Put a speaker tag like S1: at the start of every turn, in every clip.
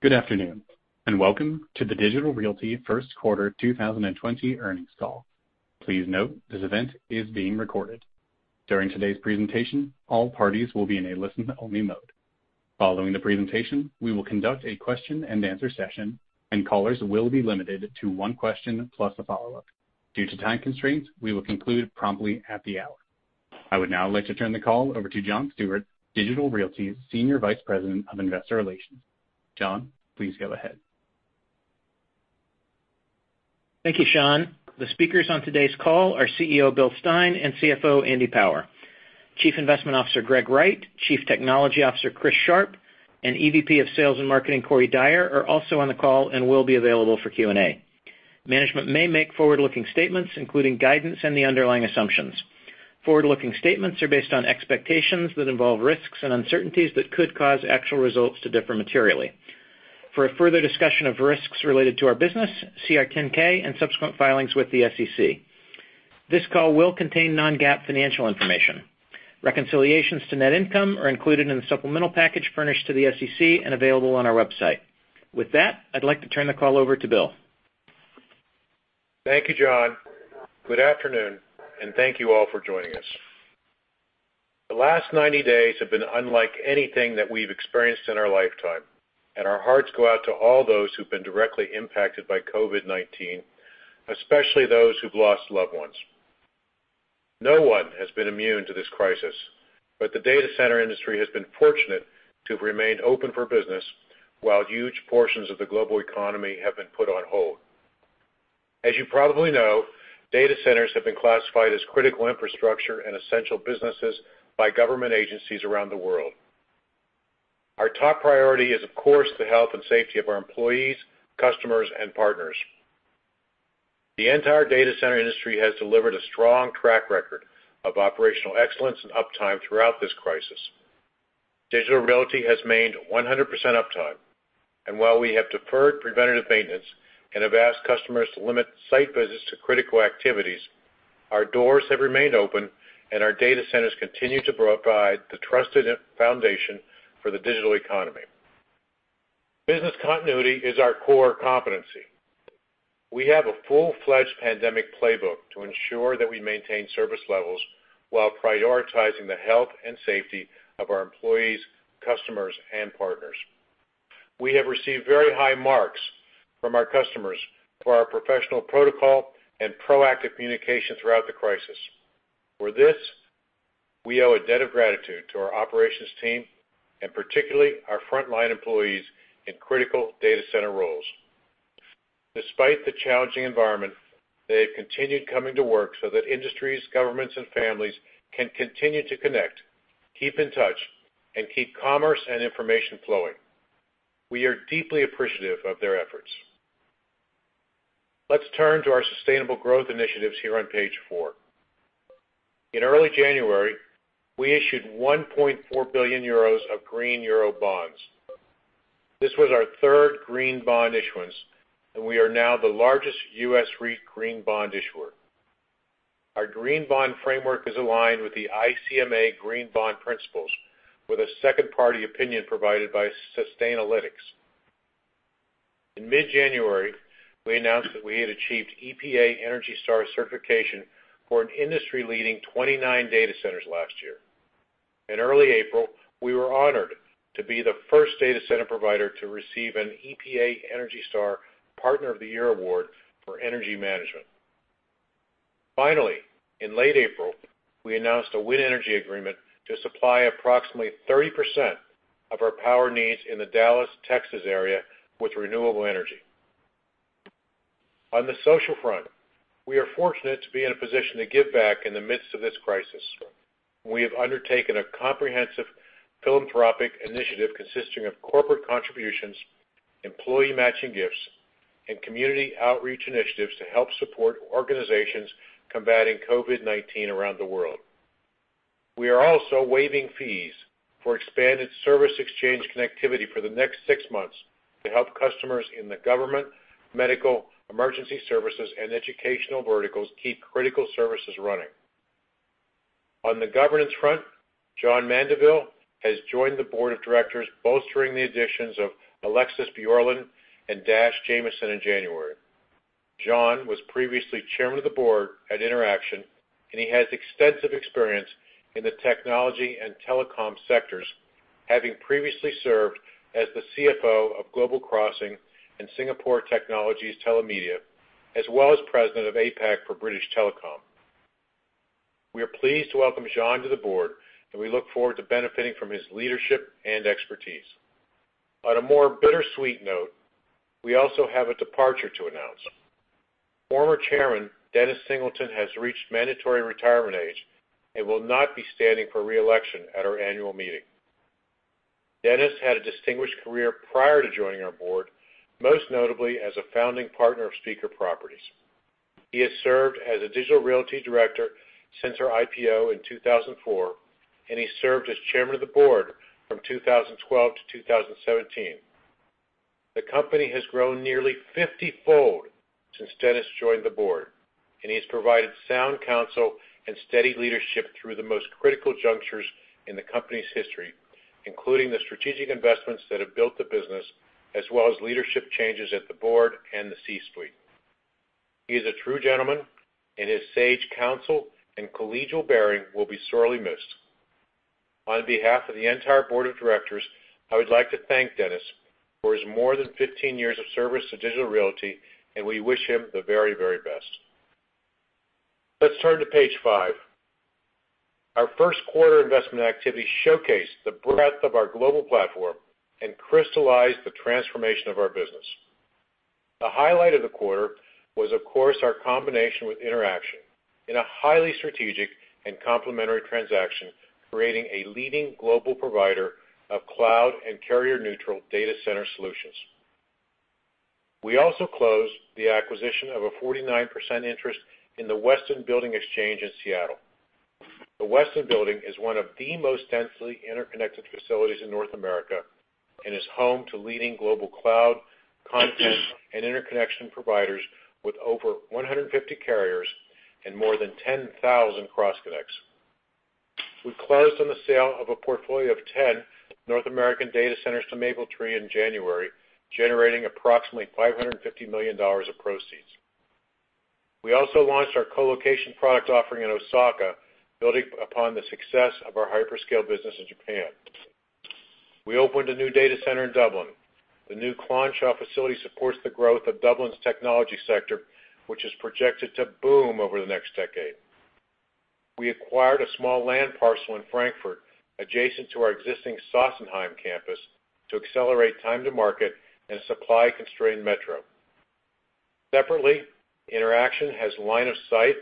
S1: Good afternoon, and welcome to the Digital Realty first quarter 2020 earnings call. Please note, this event is being recorded. During today's presentation, all parties will be in a listen only mode. Following the presentation, we will conduct a question and answer session, and callers will be limited to one question plus a follow-up. Due to time constraints, we will conclude promptly at the hour. I would now like to turn the call over to John Stewart, Digital Realty's Senior Vice President of Investor Relations. John, please go ahead.
S2: Thank you, Sean. The speakers on today's call are CEO, Bill Stein and CFO, Andy Power. Chief Investment Officer, Greg Wright, Chief Technology Officer, Chris Sharp, and EVP of Sales and Marketing, Corey Dyer, are also on the call and will be available for Q&A. Management may make forward-looking statements, including guidance and the underlying assumptions. Forward-looking statements are based on expectations that involve risks and uncertainties that could cause actual results to differ materially. For a further discussion of risks related to our business, see our 10-K and subsequent filings with the SEC. This call will contain non-GAAP financial information. Reconciliations to net income are included in the supplemental package furnished to the SEC and available on our website. With that, I'd like to turn the call over to Bill.
S3: Thank you, John. Good afternoon, thank you all for joining us. The last 90 days have been unlike anything that we've experienced in our lifetime, and our hearts go out to all those who've been directly impacted by COVID-19, especially those who've lost loved ones. No one has been immune to this crisis, the data center industry has been fortunate to have remained open for business while huge portions of the global economy have been put on hold. As you probably know, data centers have been classified as critical infrastructure and essential businesses by government agencies around the world. Our top priority is, of course, the health and safety of our employees, customers, and partners. The entire data center industry has delivered a strong track record of operational excellence and uptime throughout this crisis. Digital Realty has made 100% uptime. While we have deferred preventative maintenance and have asked customers to limit site visits to critical activities, our doors have remained open and our data centers continue to provide the trusted foundation for the digital economy. Business continuity is our core competency. We have a full-fledged pandemic playbook to ensure that we maintain service levels while prioritizing the health and safety of our employees, customers, and partners. We have received very high marks from our customers for our professional protocol and proactive communication throughout the crisis. For this, we owe a debt of gratitude to our operations team, and particularly our frontline employees in critical data center roles. Despite the challenging environment, they have continued coming to work so that industries, governments, and families can continue to connect, keep in touch, and keep commerce and information flowing. We are deeply appreciative of their efforts. Let's turn to our sustainable growth initiatives here on page four. In early January, we issued 1.4 billion euros of green euro bonds. This was our third green bond issuance, and we are now the largest U.S. green bond issuer. Our green bond framework is aligned with the ICMA green bond principles, with a second-party opinion provided by Sustainalytics. In mid-January, we announced that we had achieved EPA ENERGY STAR certification for an industry-leading 29 data centers last year. In early April, we were honored to be the first data center provider to receive an EPA ENERGY STAR Partner of the Year award for energy management. Finally, in late April, we announced a wind energy agreement to supply approximately 30% of our power needs in the Dallas, Texas, area with renewable energy. On the social front, we are fortunate to be in a position to give back in the midst of this crisis. We have undertaken a comprehensive philanthropic initiative consisting of corporate contributions, employee matching gifts, and community outreach initiatives to help support organizations combating COVID-19 around the world. We are also waiving fees for expanded service exchange connectivity for the next six months to help customers in the government, medical, emergency services, and educational verticals keep critical services running. On the governance front, Jean Mandeville has joined the board of directors, bolstering the additions of Alexis Bjorlin and Dash Jamieson in January. Jean was previously Chairman of the Board at Interxion, and he has extensive experience in the technology and telecom sectors, having previously served as the CFO of Global Crossing and Singapore Technologies Telemedia, as well as President of APAC for British Telecom. We are pleased to welcome Jean to the board. We look forward to benefiting from his leadership and expertise. On a more bittersweet note, we also have a departure to announce. Former Chairman, Dennis Singleton, has reached mandatory retirement age and will not be standing for re-election at our annual meeting. Dennis had a distinguished career prior to joining our board, most notably as a founding partner of Spieker Properties. He has served as a Digital Realty director since our IPO in 2004. He served as Chairman of the Board from 2012-2017. The company has grown nearly 50-fold since Dennis joined the board. He has provided sound counsel and steady leadership through the most critical junctures in the company's history, including the strategic investments that have built the business as well as leadership changes at the board and the C-suite. He is a true gentleman. His sage counsel and collegial bearing will be sorely missed. On behalf of the entire Board of Directors, I would like to thank Dennis for his more than 15 years of service to Digital Realty. We wish him the very best. Let's turn to page five. Our first quarter investment activity showcased the breadth of our global platform and crystallized the transformation of our business. The highlight of the quarter was, of course, our combination with Interxion in a highly strategic and complementary transaction, creating a leading global provider of cloud and carrier-neutral data center solutions. We also closed the acquisition of a 49% interest in the Westin Building Exchange in Seattle. The Westin Building is one of the most densely interconnected facilities in North America and is home to leading global cloud, content, and interconnection providers with over 150 carriers and more than 10,000 cross-connects. We closed on the sale of a portfolio of 10 North American data centers to Mapletree in January, generating approximately $550 million of proceeds. We also launched our colocation product offering in Osaka, building upon the success of our hyperscale business in Japan. We opened a new data center in Dublin. The new Clonshaugh facility supports the growth of Dublin's technology sector, which is projected to boom over the next decade. We acquired a small land parcel in Frankfurt, adjacent to our existing Sossenheim campus, to accelerate time to market in a supply-constrained metro. Separately, Interxion has line of sight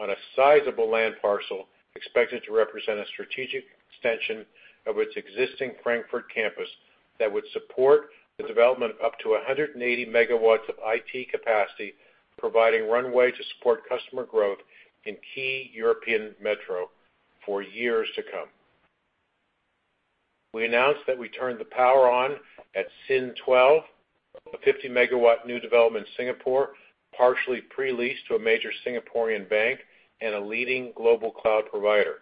S3: on a sizable land parcel expected to represent a strategic extension of its existing Frankfurt campus that would support the development of up to 180 MW of IT capacity, providing runway to support customer growth in key European metro for years to come. We announced that we turned the power on at SIN12, a 50 MW new development in Singapore, partially pre-leased to a major Singaporean bank and a leading global cloud provider.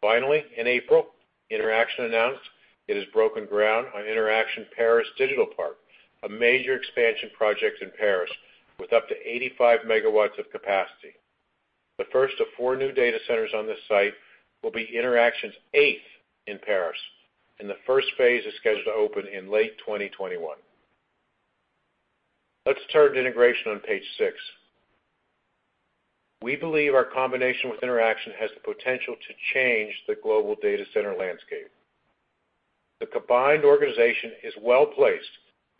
S3: Finally, in April, Interxion announced it has broken ground on Interxion Paris Digital Park, a major expansion project in Paris with up to 85 MW of capacity. The first of four new data centers on this site will be Interxion's eighth in Paris, and the first phase is scheduled to open in late 2021. Let's turn to integration on page six. We believe our combination with Interxion has the potential to change the global data center landscape. The combined organization is well-placed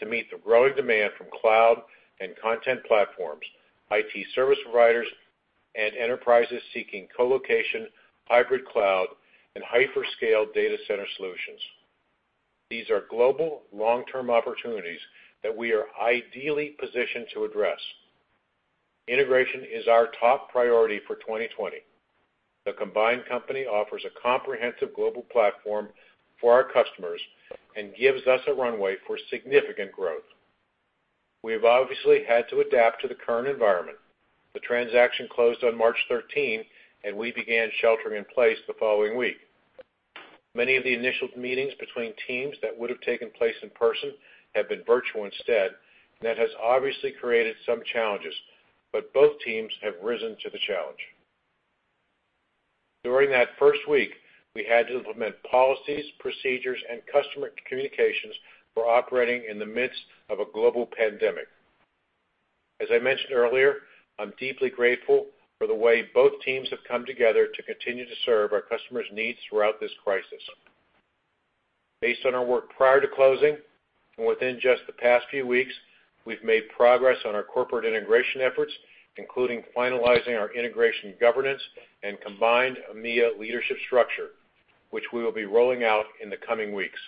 S3: to meet the growing demand from cloud and content platforms, IT service providers, and enterprises seeking colocation, hybrid cloud, and hyperscale data center solutions. These are global, long-term opportunities that we are ideally positioned to address. Integration is our top priority for 2020. The combined company offers a comprehensive global platform for our customers and gives us a runway for significant growth. We have obviously had to adapt to the current environment. The transaction closed on March 13, and we began sheltering in place the following week. Many of the initial meetings between teams that would have taken place in person have been virtual instead, and that has obviously created some challenges, but both teams have risen to the challenge. During that first week, we had to implement policies, procedures, and customer communications for operating in the midst of a global pandemic. As I mentioned earlier, I'm deeply grateful for the way both teams have come together to continue to serve our customers' needs throughout this crisis. Based on our work prior to closing and within just the past few weeks, we've made progress on our corporate integration efforts, including finalizing our integration governance and combined EMEA leadership structure, which we will be rolling out in the coming weeks.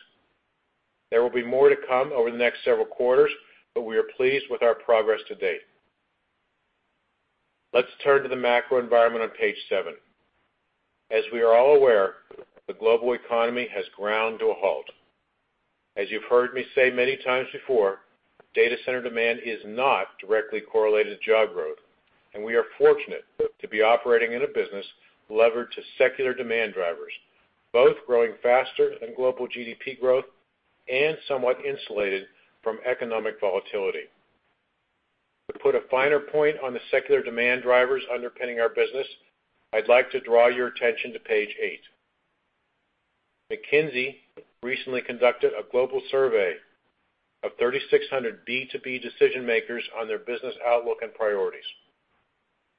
S3: There will be more to come over the next several quarters, but we are pleased with our progress to date. Let's turn to the macro environment on page seven. As we are all aware, the global economy has ground to a halt. As you've heard me say many times before, data center demand is not directly correlated to job growth, and we are fortunate to be operating in a business levered to secular demand drivers, both growing faster than global GDP growth and somewhat insulated from economic volatility. To put a finer point on the secular demand drivers underpinning our business, I'd like to draw your attention to page eight. McKinsey recently conducted a global survey of 3,600 B2B decision-makers on their business outlook and priorities.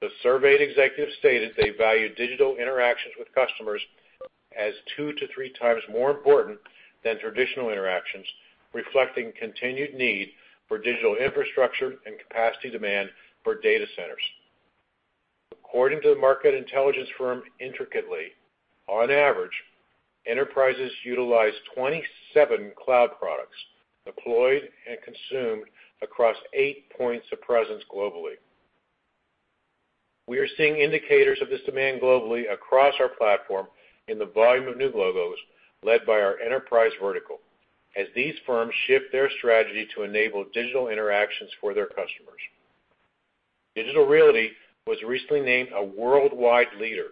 S3: The surveyed executives stated they value digital interactions with customers as two to three times more important than traditional interactions, reflecting continued need for digital infrastructure and capacity demand for data centers. According to the market intelligence firm Intricately, on average, enterprises utilize 27 cloud products deployed and consumed across 8 points of presence globally. We are seeing indicators of this demand globally across our platform in the volume of new logos led by our enterprise vertical, as these firms shift their strategy to enable digital interactions for their customers. Digital Realty was recently named a worldwide leader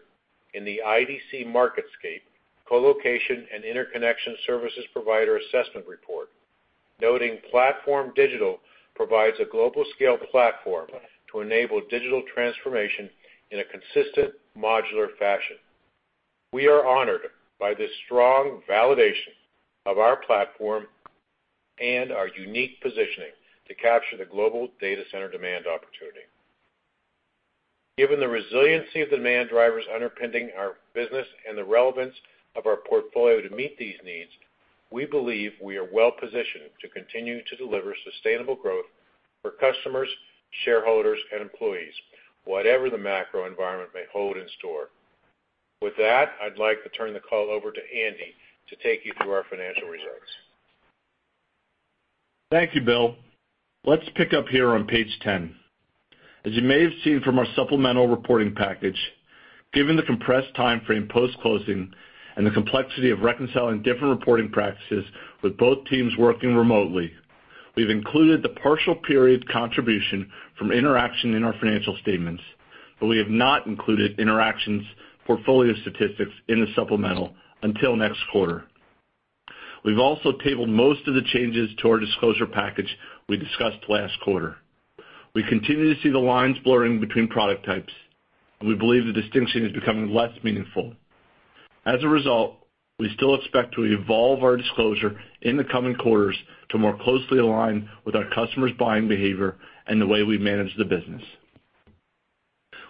S3: in the IDC MarketScape Colocation and Interconnection Services Provider Assessment Report, noting PlatformDIGITAL provides a global scale platform to enable digital transformation in a consistent modular fashion. We are honored by this strong validation of our platform and our unique positioning to capture the global data center demand opportunity. Given the resiliency of demand drivers underpinning our business and the relevance of our portfolio to meet these needs, we believe we are well-positioned to continue to deliver sustainable growth for customers, shareholders, and employees, whatever the macro environment may hold in store. With that, I'd like to turn the call over to Andy to take you through our financial results.
S4: Thank you, Bill. Let's pick up here on page 10. As you may have seen from our supplemental reporting package, given the compressed timeframe post-closing and the complexity of reconciling different reporting practices with both teams working remotely, we've included the partial period contribution from Interxion in our financial statements, but we have not included Interxion's portfolio statistics in the supplemental until next quarter. We've also tabled most of the changes to our disclosure package we discussed last quarter. We continue to see the lines blurring between product types, and we believe the distinction is becoming less meaningful. As a result, we still expect to evolve our disclosure in the coming quarters to more closely align with our customers' buying behavior and the way we manage the business.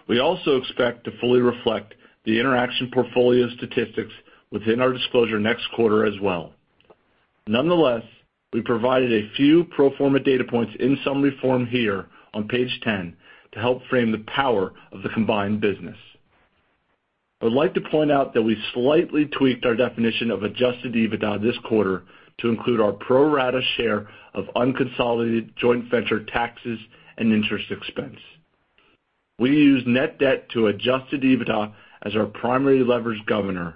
S4: We also expect to fully reflect the Interxion portfolio statistics within our disclosure next quarter as well. Nonetheless, we provided a few pro forma data points in summary form here on page 10 to help frame the power of the combined business. I would like to point out that we slightly tweaked our definition of adjusted EBITDA this quarter to include our pro rata share of unconsolidated joint venture taxes and interest expense. We use net debt to adjusted EBITDA as our primary leverage governor,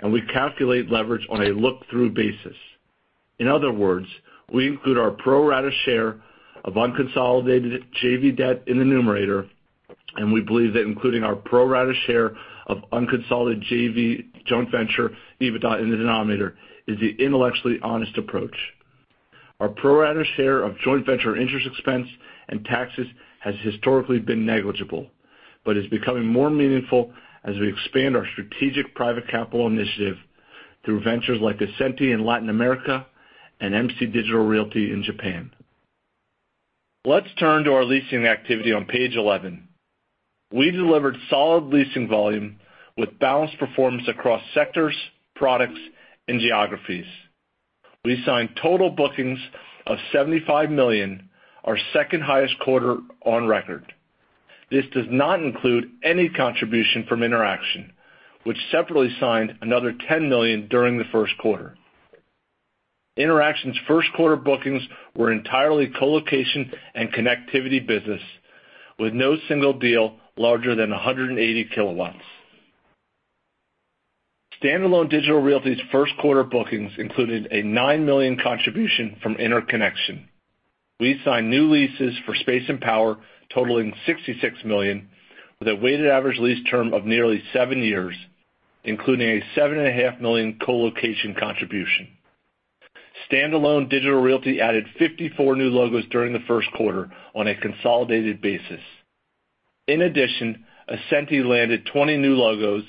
S4: and we calculate leverage on a look-through basis. In other words, we include our pro rata share of unconsolidated JV debt in the numerator, and we believe that including our pro rata share of unconsolidated joint venture EBITDA in the denominator is the intellectually honest approach. Our pro rata share of joint venture interest expense and taxes has historically been negligible. Is becoming more meaningful as we expand our strategic private capital initiative through ventures like Ascenty in Latin America and MC Digital Realty in Japan. Let's turn to our leasing activity on page 11. We delivered solid leasing volume with balanced performance across sectors, products, and geographies. We signed total bookings of $75 million, our second highest quarter on record. This does not include any contribution from Interxion, which separately signed another $10 million during the first quarter. Interxion's first quarter bookings were entirely colocation and connectivity business, with no single deal larger than 180 kW. Standalone Digital Realty's first quarter bookings included a $9 million contribution from interconnection. We signed new leases for space and power totaling $66 million, with a weighted average lease term of nearly seven years, including a $7.5 million colocation contribution. Standalone Digital Realty added 54 new logos during the first quarter on a consolidated basis. In addition, Ascenty landed 20 new logos,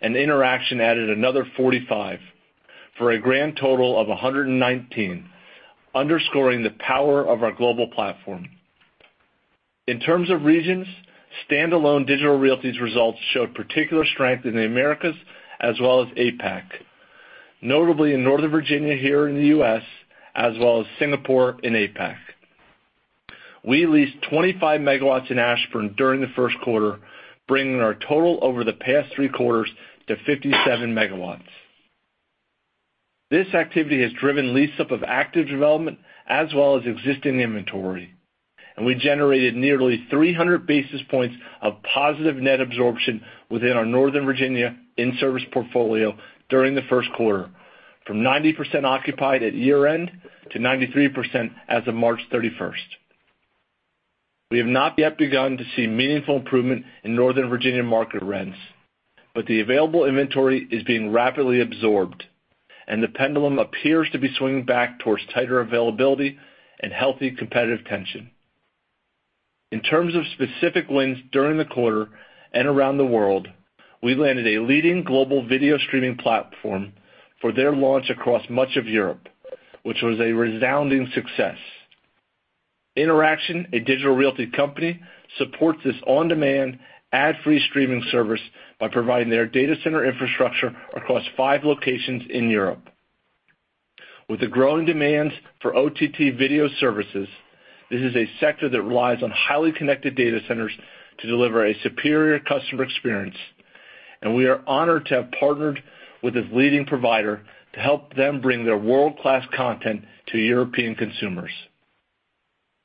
S4: and Interxion added another 45, for a grand total of 119, underscoring the power of our global platform. In terms of regions, standalone Digital Realty's results showed particular strength in the Americas as well as APAC, notably in Northern Virginia here in the U.S. as well as Singapore in APAC. We leased 25 MW in Ashburn during the first quarter, bringing our total over the past three quarters to 57 MW. This activity has driven lease-up of active development as well as existing inventory. We generated nearly 300 basis points of positive net absorption within our Northern Virginia in-service portfolio during the first quarter, from 90% occupied at year-end to 93% as of March 31st. We have not yet begun to see meaningful improvement in Northern Virginia market rents. The available inventory is being rapidly absorbed, and the pendulum appears to be swinging back towards tighter availability and healthy competitive tension. In terms of specific wins during the quarter and around the world, we landed a leading global video streaming platform for their launch across much of Europe, which was a resounding success. Interxion, a Digital Realty company, supports this on-demand, ad-free streaming service by providing their data center infrastructure across five locations in Europe. With the growing demands for OTT video services, this is a sector that relies on highly connected data centers to deliver a superior customer experience. We are honored to have partnered with this leading provider to help them bring their world-class content to European consumers.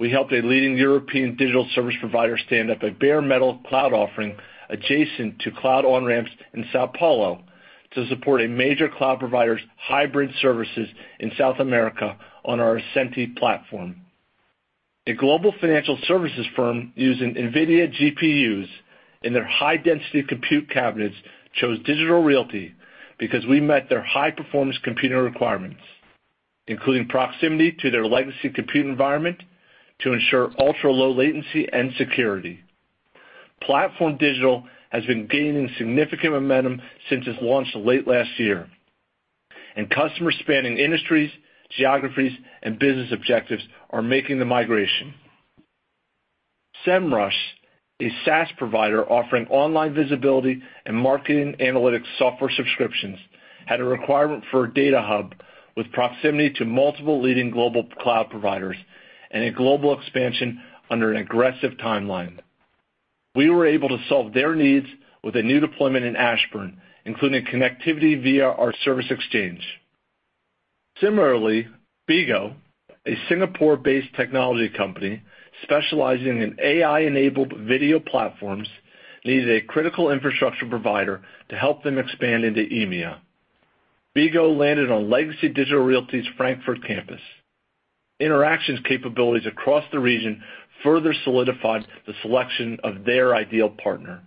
S4: We helped a leading European digital service provider stand up a bare metal cloud offering adjacent to cloud on-ramps in São Paulo to support a major cloud provider's hybrid services in South America on our Ascenty platform. A global financial services firm using NVIDIA GPUs in their high-density compute cabinets chose Digital Realty because we met their high-performance computing requirements, including proximity to their legacy compute environment to ensure ultra-low latency and security. PlatformDIGITAL has been gaining significant momentum since its launch late last year, and customers spanning industries, geographies, and business objectives are making the migration. Semrush, a SaaS provider offering online visibility and marketing analytics software subscriptions, had a requirement for a data hub with proximity to multiple leading global cloud providers and a global expansion under an aggressive timeline. We were able to solve their needs with a new deployment in Ashburn, including connectivity via our service exchange. Similarly, BIGO, a Singapore-based technology company specializing in AI-enabled video platforms, needed a critical infrastructure provider to help them expand into EMEA. BIGO landed on legacy Digital Realty's Frankfurt campus. Interxion's capabilities across the region further solidified the selection of their ideal partner.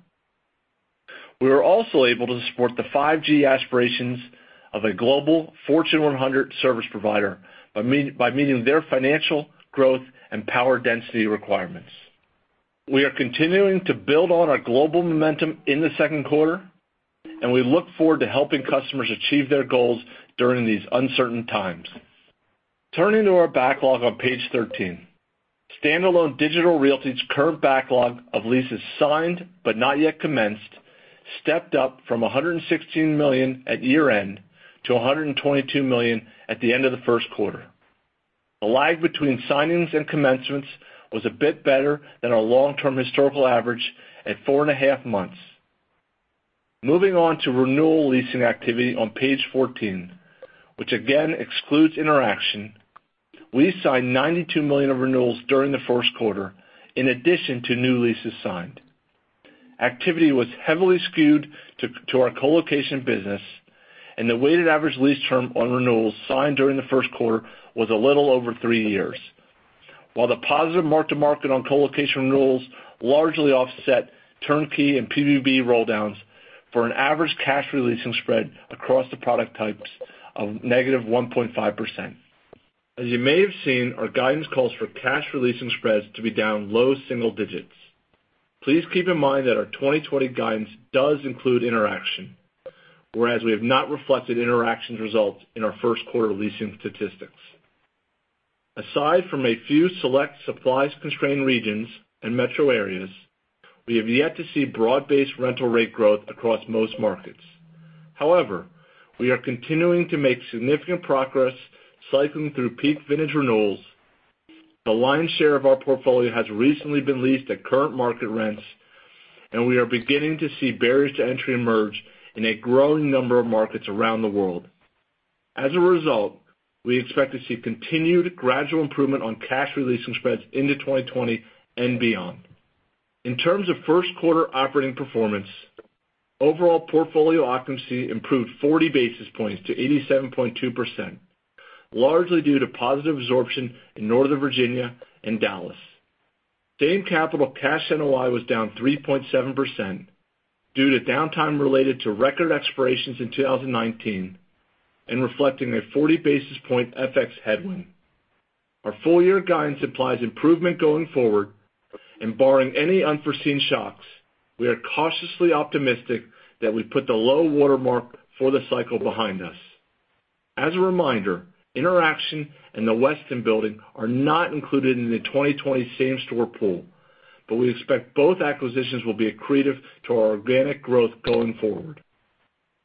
S4: We were also able to support the 5G aspirations of a global Fortune 100 service provider by meeting their financial growth and power density requirements. We are continuing to build on our global momentum in the second quarter. We look forward to helping customers achieve their goals during these uncertain times. Turning to our backlog on page 13. Standalone Digital Realty's current backlog of leases signed but not yet commenced stepped up from $116 million at year-end to $122 million at the end of the first quarter. The lag between signings and commencements was a bit better than our long-term historical average at four and a half months. Moving on to renewal leasing activity on page 14, which again excludes Interxion. We signed $92 million of renewals during the first quarter in addition to new leases signed. Activity was heavily skewed to our colocation business, and the weighted average lease term on renewals signed during the first quarter was a little over three years, while the positive mark-to-market on colocation renewals largely offset turnkey and PBB rolldowns for an average cash re-leasing spread across the product types of -1.5%. As you may have seen, our guidance calls for cash re-leasing spreads to be down low single digits. Please keep in mind that our 2020 guidance does include Interxion, whereas we have not reflected Interxion's results in our first quarter leasing statistics. Aside from a few select supplies-constrained regions and metro areas, we have yet to see broad-based rental rate growth across most markets. However, we are continuing to make significant progress cycling through peak vintage renewals. The lion's share of our portfolio has recently been leased at current market rents, and we are beginning to see barriers to entry emerge in a growing number of markets around the world. As a result, we expect to see continued gradual improvement on cash re-leasing spreads into 2020 and beyond. In terms of first quarter operating performance, overall portfolio occupancy improved 40 basis points to 87.2%, largely due to positive absorption in Northern Virginia and Dallas. Same capital cash NOI was down 3.7% due to downtime related to record expirations in 2019 and reflecting a 40 basis point FX headwind. Our full year guidance implies improvement going forward. Barring any unforeseen shocks, we are cautiously optimistic that we put the low watermark for the cycle behind us. As a reminder, Interxion and the Westin Building are not included in the 2020 same-store pool. We expect both acquisitions will be accretive to our organic growth going forward.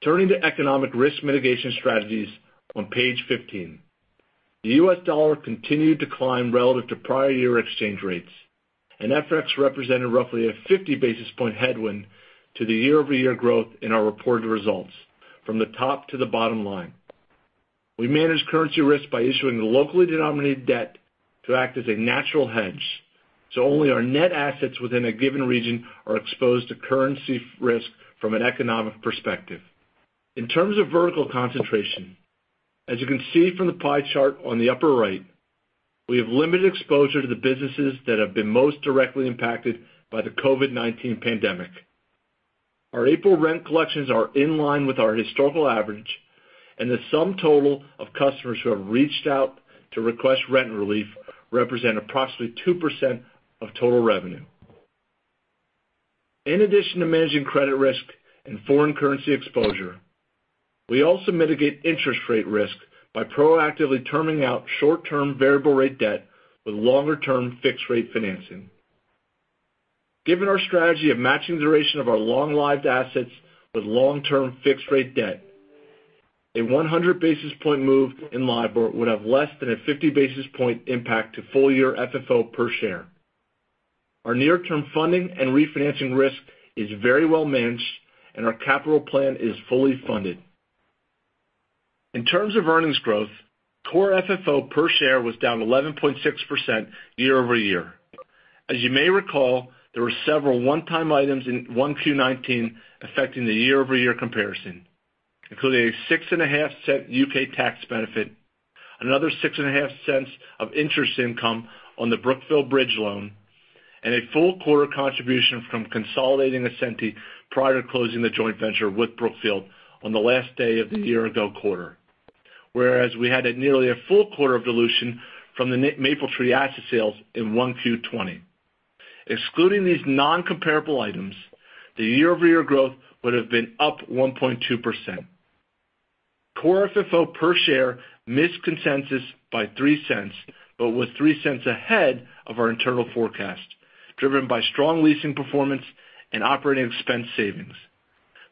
S4: Turning to economic risk mitigation strategies on page 15. The U.S. dollar continued to climb relative to prior year exchange rates, and FX represented roughly a 50 basis point headwind to the year-over-year growth in our reported results from the top to the bottom line. We manage currency risk by issuing locally denominated debt to act as a natural hedge, so only our net assets within a given region are exposed to currency risk from an economic perspective. In terms of vertical concentration, as you can see from the pie chart on the upper right, we have limited exposure to the businesses that have been most directly impacted by the COVID-19 pandemic. Our April rent collections are in line with our historical average, and the sum total of customers who have reached out to request rent relief represent approximately 2% of total revenue. In addition to managing credit risk and foreign currency exposure, we also mitigate interest rate risk by proactively terming out short-term variable rate debt with longer-term fixed rate financing. Given our strategy of matching duration of our long-lived assets with long-term fixed rate debt. A 100 basis point move in LIBOR would have less than a 50 basis point impact to full year FFO per share. Our near-term funding and refinancing risk is very well managed, and our capital plan is fully funded. In terms of earnings growth, core FFO per share was down 11.6% year-over-year. As you may recall, there were several one-time items in 1Q 2019 affecting the year-over-year comparison, including a $0.065 U.K. tax benefit, another $0.065 of interest income on the Brookfield bridge loan, and a full quarter contribution from consolidating Ascenty prior to closing the joint venture with Brookfield on the last day of the year ago quarter. We had nearly a full quarter dilution from the Mapletree asset sales in 1Q 2020. Excluding these non-comparable items, the year-over-year growth would've been up 1.2%. Core FFO per share missed consensus by $0.03, but was $0.03 ahead of our internal forecast, driven by strong leasing performance and operating expense savings.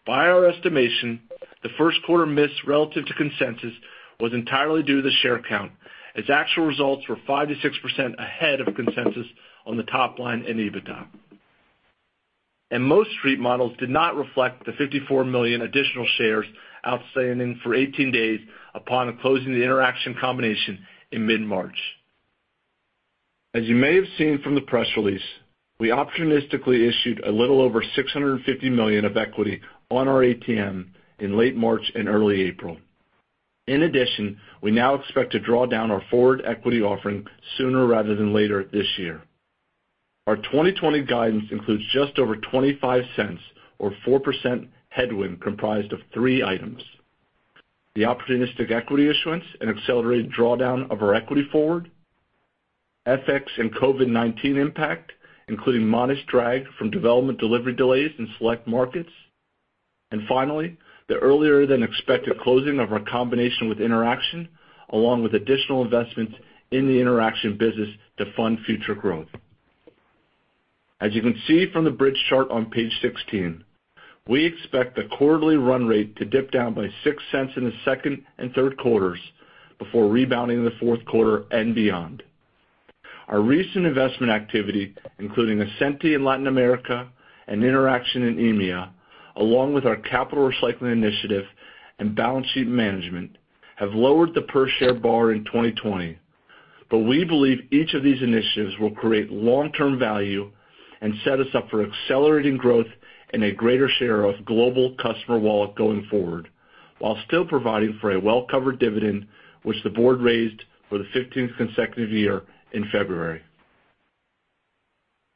S4: By our estimation, the first quarter miss relative to consensus was entirely due to the share count, as actual results were 5%-6% ahead of consensus on the top line and EBITDA. Most street models did not reflect the 54 million additional shares outstanding for 18 days upon closing the Interxion combination in mid-March. As you may have seen from the press release, we opportunistically issued a little over 650 million of equity on our ATM in late March and early April. In addition, we now expect to draw down our forward equity offering sooner rather than later this year. Our 2020 guidance includes just over $0.25 or 4% headwind comprised of three items. The opportunistic equity issuance and accelerated drawdown of our equity forward, FX and COVID-19 impact, including modest drag from development delivery delays in select markets. Finally, the earlier than expected closing of our combination with Interxion, along with additional investments in the Interxion business to fund future growth. As you can see from the bridge chart on page 16, we expect the quarterly run rate to dip down by $0.06 in the second and third quarters before rebounding in the fourth quarter and beyond. Our recent investment activity, including Ascenty in Latin America and Interxion in EMEA, along with our capital recycling initiative and balance sheet management, have lowered the per share bar in 2020. We believe each of these initiatives will create long-term value and set us up for accelerating growth and a greater share of global customer wallet going forward, while still providing for a well-covered dividend, which the Board raised for the 15th consecutive year in February.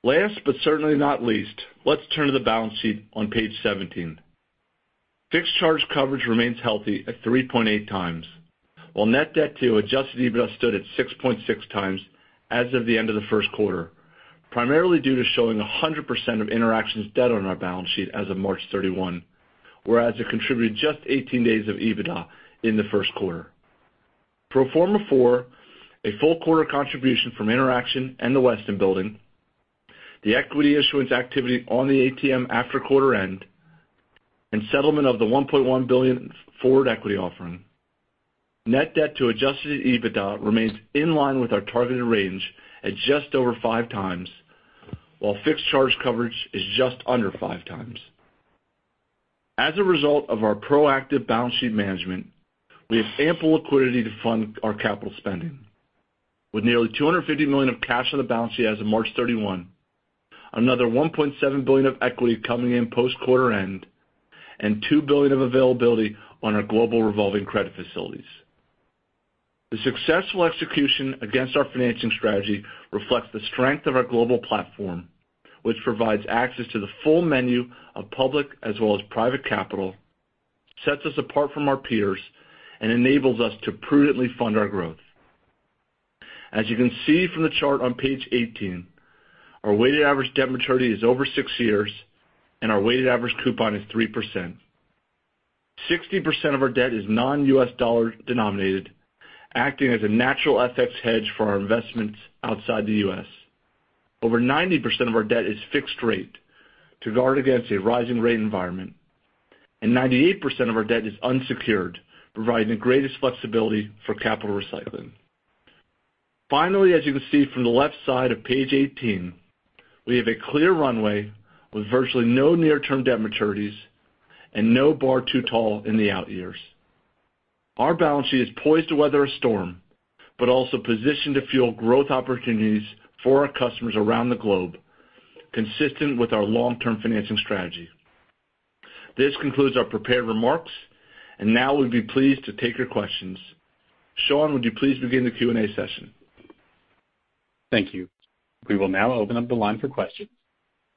S4: Last but certainly not least, let's turn to the balance sheet on page 17. Fixed charge coverage remains healthy at 3.8x, while net debt to adjusted EBITDA stood at 6.6x as of the end of the first quarter, primarily due to showing 100% of Interxion's debt on our balance sheet as of March 31, whereas it contributed just 18 days of EBITDA in the first quarter. Pro forma for a full quarter contribution from Interxion and the Westin Building, the equity issuance activity on the ATM after quarter end, and settlement of the $1.1 billion forward equity offering, net debt to adjusted EBITDA remains in line with our targeted range at just over 5x, while fixed charge coverage is just under 5x. As a result of our proactive balance sheet management, we have ample liquidity to fund our capital spending. With nearly $250 million of cash on the balance sheet as of March 31, another $1.7 billion of equity coming in post quarter end, and $2 billion of availability on our global revolving credit facilities. The successful execution against our financing strategy reflects the strength of our global platform, which provides access to the full menu of public as well as private capital, sets us apart from our peers, and enables us to prudently fund our growth. As you can see from the chart on page 18, our weighted average debt maturity is over six years, and our weighted average coupon is 3%. 60% of our debt is non-U.S. dollar denominated, acting as a natural FX hedge for our investments outside the U.S. Over 90% of our debt is fixed rate to guard against a rising rate environment, and 98% of our debt is unsecured, providing the greatest flexibility for capital recycling. Finally, as you can see from the left side of page 18, we have a clear runway with virtually no near-term debt maturities and no bar too tall in the out years. Our balance sheet is poised to weather a storm, but also positioned to fuel growth opportunities for our customers around the globe, consistent with our long-term financing strategy. This concludes our prepared remarks. Now we'd be pleased to take your questions. Sean, would you please begin the Q&A session?
S1: Thank you. We will now open up the line for questions.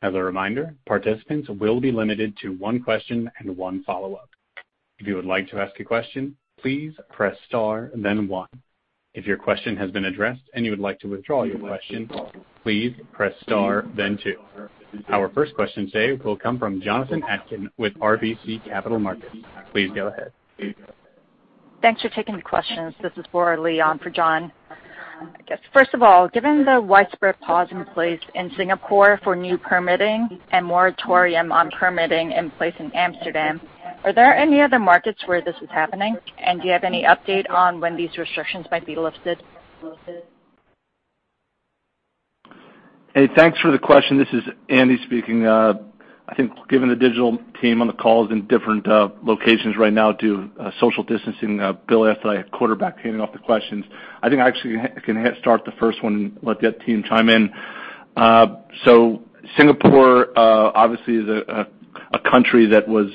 S1: As a reminder, participants will be limited to one question and one follow-up. If you would like to ask a question, please press star then one. If your question has been addressed and you would like to withdraw your question, please press star then two. Our first question today will come from Jonathan Atkin with RBC Capital Markets. Please go ahead.
S5: Thanks for taking the questions. This is Bora Lee on for John. I guess, first of all, given the widespread pause in place in Singapore for new permitting and moratorium on permitting in place in Amsterdam, are there any other markets where this is happening? Do you have any update on when these restrictions might be lifted?
S4: Hey, thanks for the question. This is Andy speaking. I think given the Digital team on the call is in different locations right now due to social distancing, Bill asked that I quarterback handing off the questions. I think I actually can head start the first one and let the team chime in. Singapore, obviously, is a country that was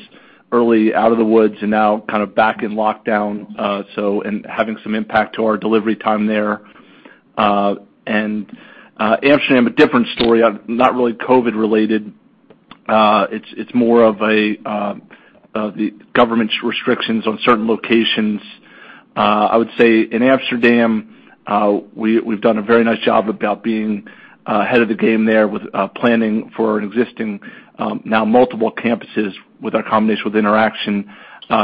S4: early out of the woods and now kind of back in lockdown, and having some impact to our delivery time there. Amsterdam, a different story, not really COVID related. It's more of the government's restrictions on certain locations. I would say in Amsterdam, we've done a very nice job about being ahead of the game there with planning for an existing, now multiple campuses with our combination with Interxion,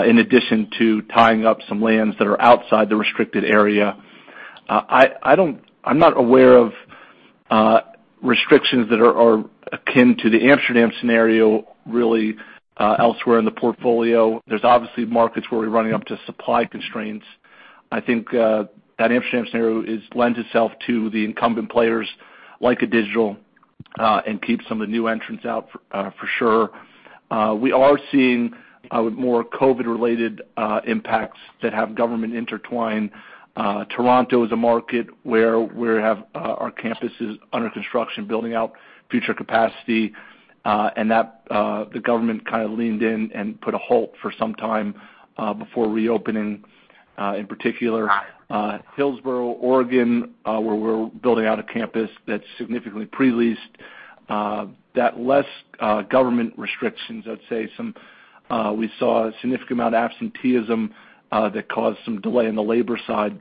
S4: in addition to tying up some lands that are outside the restricted area. I'm not aware of restrictions that are akin to the Amsterdam scenario, really, elsewhere in the portfolio. There's obviously markets where we're running up to supply constraints. I think, that Amsterdam scenario lends itself to the incumbent players like a Digital, and keeps some of the new entrants out for sure. We are seeing more COVID related impacts that have government intertwined. Toronto is a market where we have our campuses under construction, building out future capacity, and the government kind of leaned in and put a halt for some time, before reopening. In particular, Hillsboro, Oregon, where we're building out a campus that's significantly pre-leased, that less government restrictions, I'd say. We saw a significant amount of absenteeism that caused some delay on the labor side.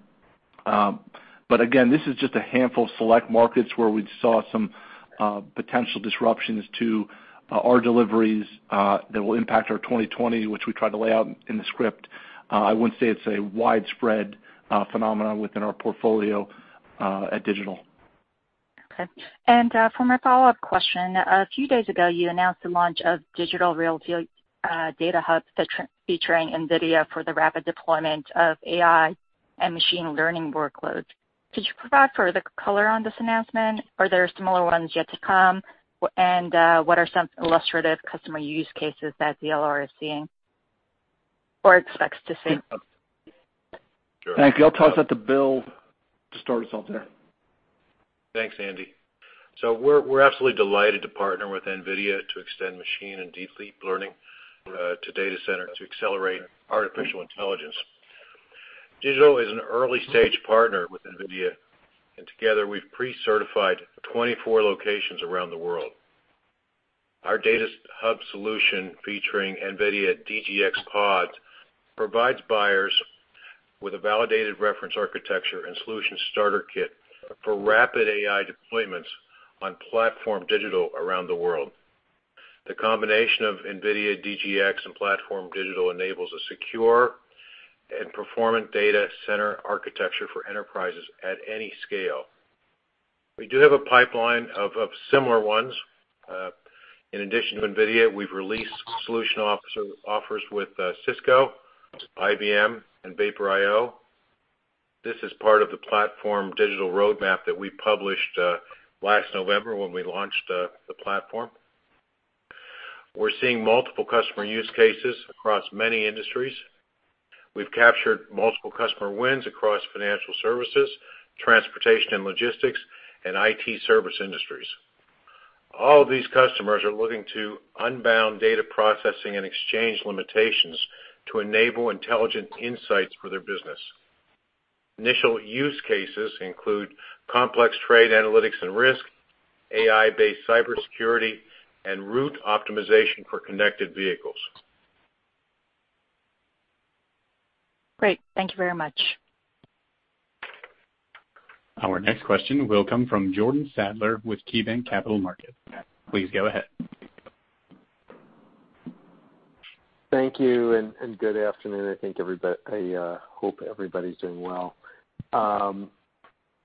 S4: Again, this is just a handful of select markets where we saw some potential disruptions to our deliveries, that will impact our 2020, which we tried to lay out in the script. I wouldn't say it's a widespread phenomenon within our portfolio at Digital.
S5: Okay. For my follow-up question, a few days ago, you announced the launch of Digital Realty Data Hub featuring NVIDIA for the rapid deployment of AI and machine learning workloads. Could you provide further color on this announcement? Are there similar ones yet to come? What are some illustrative customer use cases that DLR is seeing or expects to see?
S4: Thank you. I'll toss that to Bill to start us off there.
S3: Thanks, Andy. We're absolutely delighted to partner with NVIDIA to extend machine and deep learning to data center to accelerate artificial intelligence. Digital is an early-stage partner with NVIDIA, and together we've pre-certified 24 locations around the world. Our Data Hub solution, featuring NVIDIA DGX PODs, provides buyers with a validated reference architecture and solution starter kit for rapid AI deployments on PlatformDIGITAL around the world. The combination of NVIDIA DGX and PlatformDIGITAL enables a secure and performant data center architecture for enterprises at any scale. We do have a pipeline of similar ones. In addition to NVIDIA, we've released solution offers with Cisco, IBM, and Vapor IO. This is part of the PlatformDIGITAL roadmap that we published last November when we launched the platform. We're seeing multiple customer use cases across many industries. We've captured multiple customer wins across financial services, transportation and logistics, and IT service industries. All of these customers are looking to unbound data processing and exchange limitations to enable intelligent insights for their business. Initial use cases include complex trade analytics and risk, AI-based cybersecurity, and route optimization for connected vehicles.
S5: Great. Thank you very much.
S1: Our next question will come from Jordan Sadler with KeyBanc Capital Markets. Please go ahead.
S6: Thank you. Good afternoon. I hope everybody's doing well.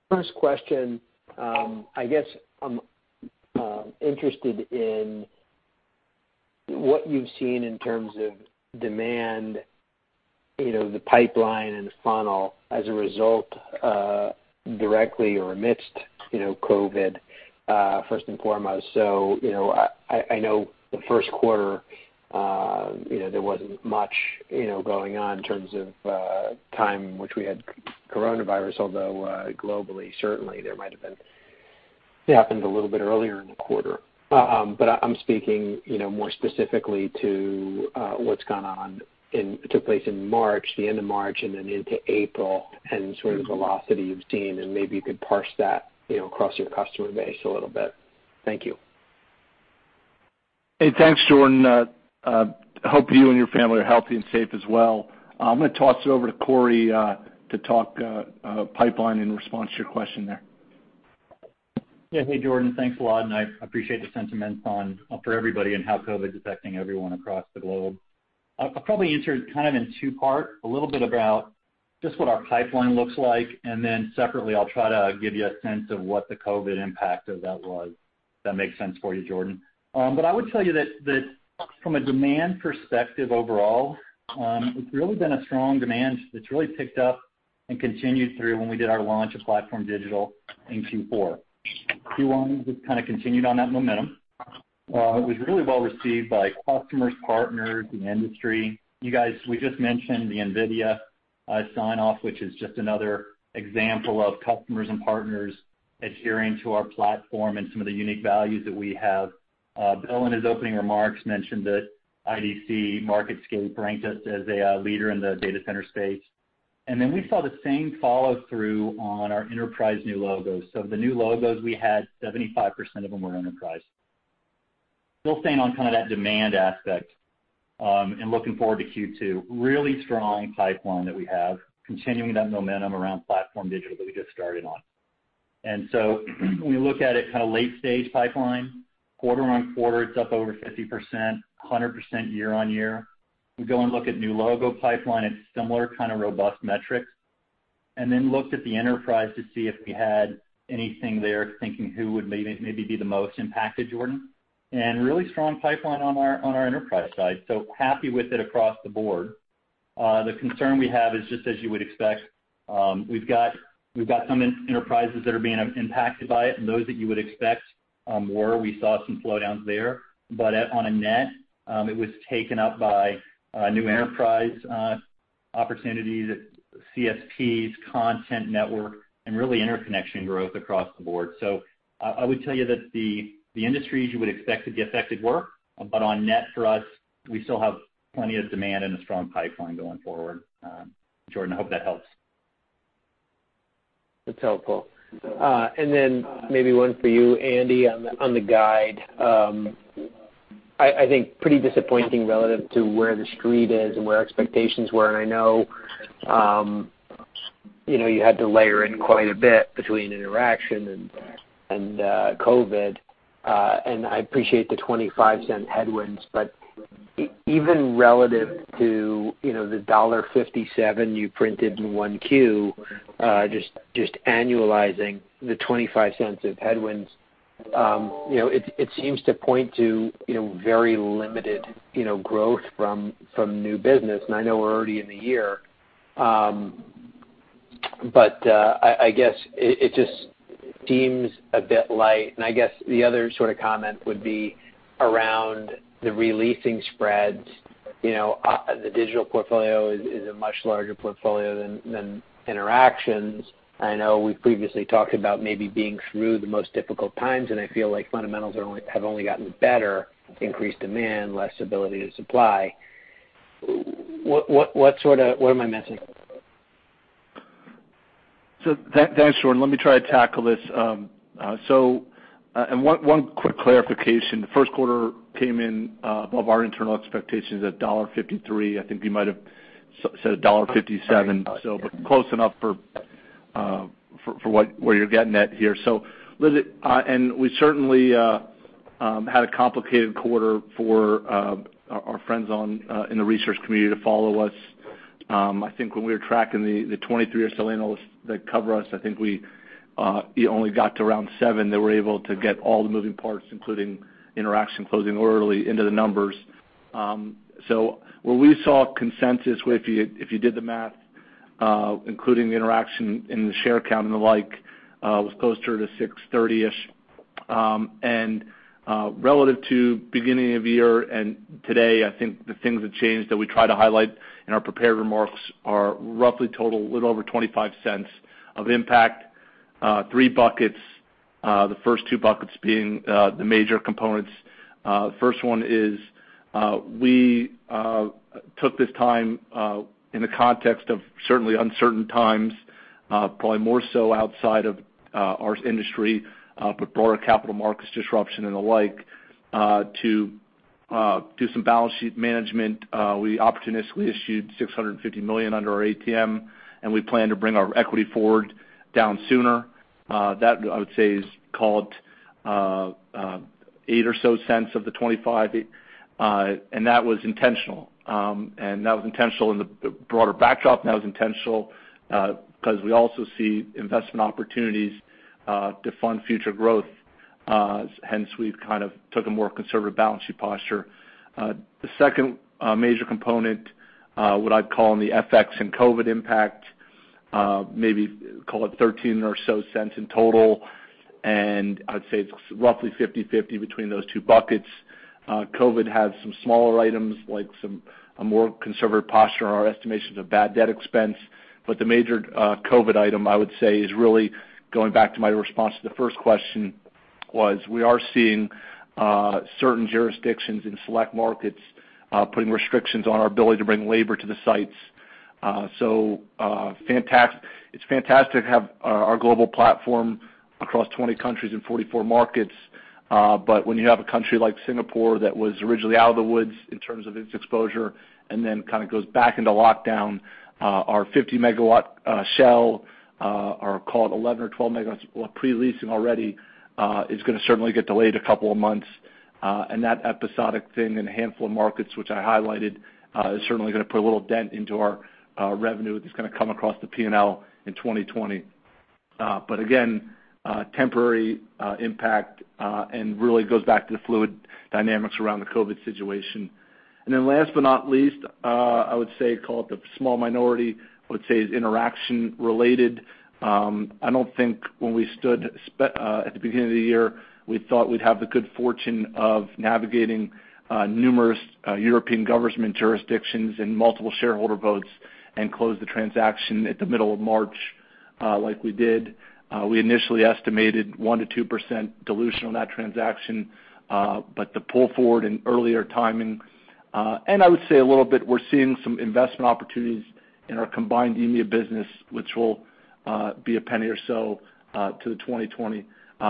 S6: First question, I guess I'm interested in what you've seen in terms of demand, the pipeline and the funnel as a result, directly or amidst COVID, first and foremost. I know the first quarter, there wasn't much going on in terms of time in which we had coronavirus, although, globally, certainly there might have been. It happened a little bit earlier in the quarter. I'm speaking more specifically to what's gone on and took place in March, the end of March, and then into April, and sort of the velocity you've seen, and maybe you could parse that across your customer base a little bit. Thank you.
S4: Hey, thanks, Jordan. I hope you and your family are healthy and safe as well. I'm going to toss it over to Corey to talk pipeline in response to your question there.
S7: Hey, Jordan. Thanks a lot, and I appreciate the sentiments for everybody and how COVID's affecting everyone across the globe. I'll probably answer kind of in two parts, a little bit about just what our pipeline looks like, and then separately, I'll try to give you a sense of what the COVID impact of that was, if that makes sense for you, Jordan. I would tell you that from a demand perspective overall, it's really been a strong demand that's really picked up and continued through when we did our launch of PlatformDIGITAL in Q4. Q1 just kind of continued on that momentum. It was really well-received by customers, partners, the industry. You guys, we just mentioned the NVIDIA sign-off, which is just another example of customers and partners adhering to our platform and some of the unique values that we have. Bill, in his opening remarks, mentioned that IDC MarketScape ranked us as a leader in the data center space. We saw the same follow-through on our enterprise new logos. The new logos, we had 75% of them were enterprise. Still staying on kind of that demand aspect, looking forward to Q2, really strong pipeline that we have, continuing that momentum around PlatformDIGITAL that we just started on. When you look at it, kind of late-stage pipeline, quarter-on-quarter, it's up over 50%, 100% year-on-year. We go and look at new logo pipeline, it's similar kind of robust metrics. Looked at the enterprise to see if we had anything there, thinking who would maybe be the most impacted, Jordan. Really strong pipeline on our enterprise side. Happy with it across the board. The concern we have is just as you would expect, we've got some enterprises that are being impacted by it, and those that you would expect were, we saw some slowdowns there. On a net, it was taken up by new enterprise opportunities at CSPs, content network, and really interconnection growth across the board. I would tell you that the industries you would expect to be affected were, but on net for us, we still have plenty of demand and a strong pipeline going forward. Jordan, I hope that helps.
S6: That's helpful. Maybe one for you, Andy, on the guide. I think pretty disappointing relative to where the street is and where expectations were. I know you had to layer in quite a bit between Interxion and COVID. I appreciate the $0.25 headwinds, even relative to the $1.57 you printed in 1Q, just annualizing the $0.25 of headwinds. It seems to point to very limited growth from new business. I know we're already in the year. I guess it just seems a bit light. I guess the other sort of comment would be around the re-leasing spreads. The Digital portfolio is a much larger portfolio than Interxion's. I know we've previously talked about maybe being through the most difficult times. I feel like fundamentals have only gotten better, increased demand, less ability to supply. What am I missing?
S4: Thanks, Jordan. Let me try to tackle this. One quick clarification. The first quarter came in above our internal expectations at $1.53. I think you might have said $1.57.
S6: I did. Yeah.
S4: Close enough for where you're getting at here. We certainly had a complicated quarter for our friends in the research community to follow us. I think when we were tracking the 23 or so analysts that cover us, I think we only got to around seven that were able to get all the moving parts, including Interxion closing early into the numbers. Where we saw consensus, if you did the math, including the Interxion and the share count and the like, was closer to 630-ish. Relative to beginning of year and today, I think the things that changed that we try to highlight in our prepared remarks are roughly total a little over $0.25 of impact. Three buckets, the first two buckets being the major components. The first one is we took this time, in the context of certainly uncertain times, probably more so outside of our industry, but broader capital markets disruption and the like, to do some balance sheet management. We opportunistically issued $650 million under our ATM, and we plan to bring our equity forward down sooner. That, I would say, is called $0.08 or so of the $0.25, and that was intentional. That was intentional in the broader backdrop. That was intentional because we also see investment opportunities to fund future growth. We've kind of took a more conservative balance sheet posture. The second major component, what I'd call in the FX and COVID impact, maybe call it $0.13 or so in total, and I'd say it's roughly 50/50 between those two buckets. COVID has some smaller items, like a more conservative posture on our estimations of bad debt expense. The major COVID item, I would say, is really going back to my response to the first question, was we are seeing certain jurisdictions in select markets putting restrictions on our ability to bring labor to the sites. It's fantastic to have our global platform across 20 countries and 44 markets. When you have a country like Singapore that was originally out of the woods in terms of its exposure and then kind of goes back into lockdown, our 50 MW shell are, call it 11 MW or 12 MW pre-leasing already is going to certainly get delayed a couple of months. That episodic thing in a handful of markets, which I highlighted, is certainly going to put a little dent into our revenue that's going to come across the P&L in 2020. Again, temporary impact and really goes back to the fluid dynamics around the COVID situation. Then last but not least, I would say, call it the small minority, I would say is Interxion related. I don't think when we stood at the beginning of the year, we thought we'd have the good fortune of navigating numerous European government jurisdictions and multiple shareholder votes and close the transaction at the middle of March like we did. We initially estimated 1%-2% dilution on that transaction. The pull forward in earlier timing, and I would say a little bit, we're seeing some investment opportunities in our combined EMEA business, which will be $0.01 or so to the 2020.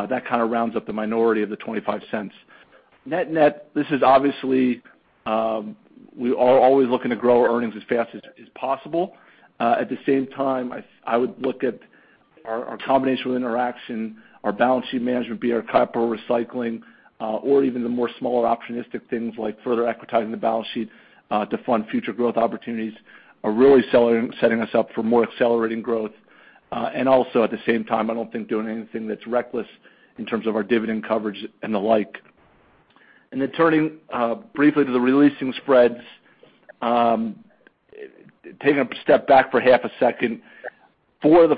S4: That kind of rounds up the minority of the $0.25. Net-net, this is obviously, we are always looking to grow our earnings as fast as is possible. At the same time, I would look at our combination with Interxion, our balance sheet management, be it our capital recycling, or even the more smaller opportunistic things like further equitizing the balance sheet to fund future growth opportunities, are really setting us up for more accelerating growth. At the same time, I don't think doing anything that's reckless in terms of our dividend coverage and the like. Turning briefly to the re-leasing spreads. Taking a step back for half a second. Four of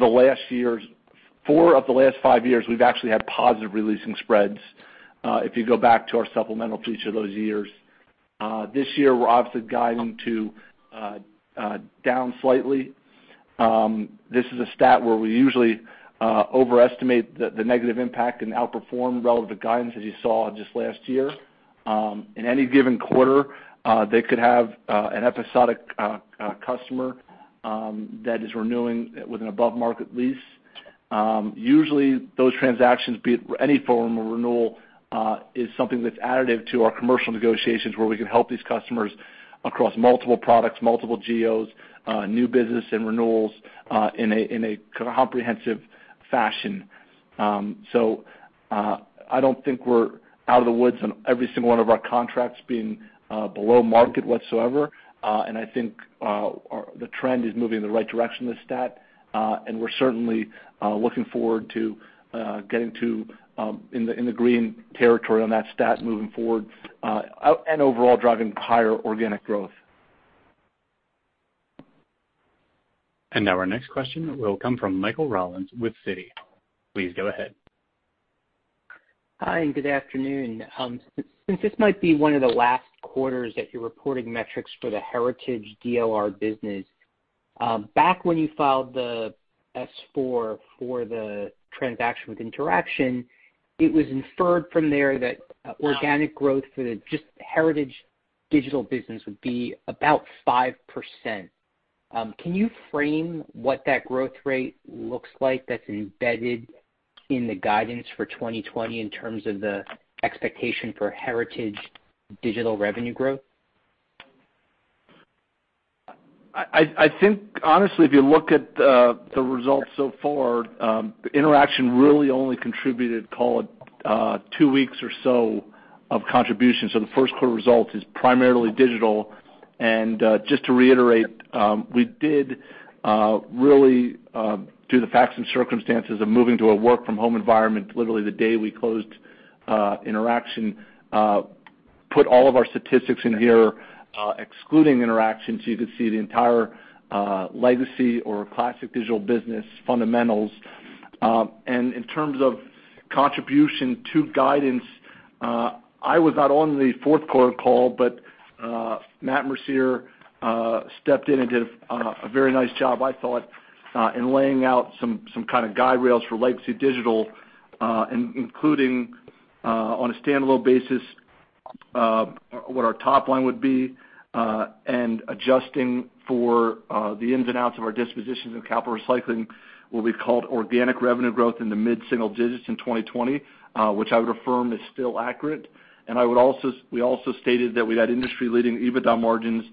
S4: the last five years, we've actually had positive re-leasing spreads, if you go back to our supplementals each of those years. This year, we're obviously guiding to down slightly. This is a stat where we usually overestimate the negative impact and outperform relevant guidance, as you saw just last year. In any given quarter, they could have an episodic customer that is renewing with an above-market lease. Usually, those transactions, be it any form of renewal, is something that's additive to our commercial negotiations where we can help these customers across multiple products, multiple geos, new business and renewals, in a comprehensive fashion. I don't think we're out of the woods on every single one of our contracts being below market whatsoever. I think the trend is moving in the right direction of the stat, and we're certainly looking forward to getting in the green territory on that stat moving forward, and overall driving higher organic growth.
S1: Now our next question will come from Michael Rollins with Citi. Please go ahead.
S8: Hi, good afternoon. Since this might be one of the last quarters that you're reporting metrics for the heritage DLR business. Back when you filed the S-4 for the transaction with Interxion, it was inferred from there that organic growth for the just heritage Digital business would be about 5%. Can you frame what that growth rate looks like that's embedded in the guidance for 2020 in terms of the expectation for heritage Digital revenue growth?
S4: I think honestly, if you look at the results so far, Interxion really only contributed, call it two weeks or so of contribution. The first quarter result is primarily Digital. Just to reiterate, we did really, due to the facts and circumstances of moving to a work-from-home environment literally the day we closed Interxion, put all of our statistics in here excluding Interxion, so you could see the entire legacy or classic Digital business fundamentals. In terms of contribution to guidance, I was not on the fourth quarter call, but Matt Mercier stepped in and did a very nice job, I thought, in laying out some kind of guiderails for legacy Digital, including on a standalone basis, what our top line would be, and adjusting for the ins and outs of our dispositions and capital recycling will be called organic revenue growth in the mid-single digits in 2020, which I would affirm is still accurate. We also stated that we had industry-leading EBITDA margins,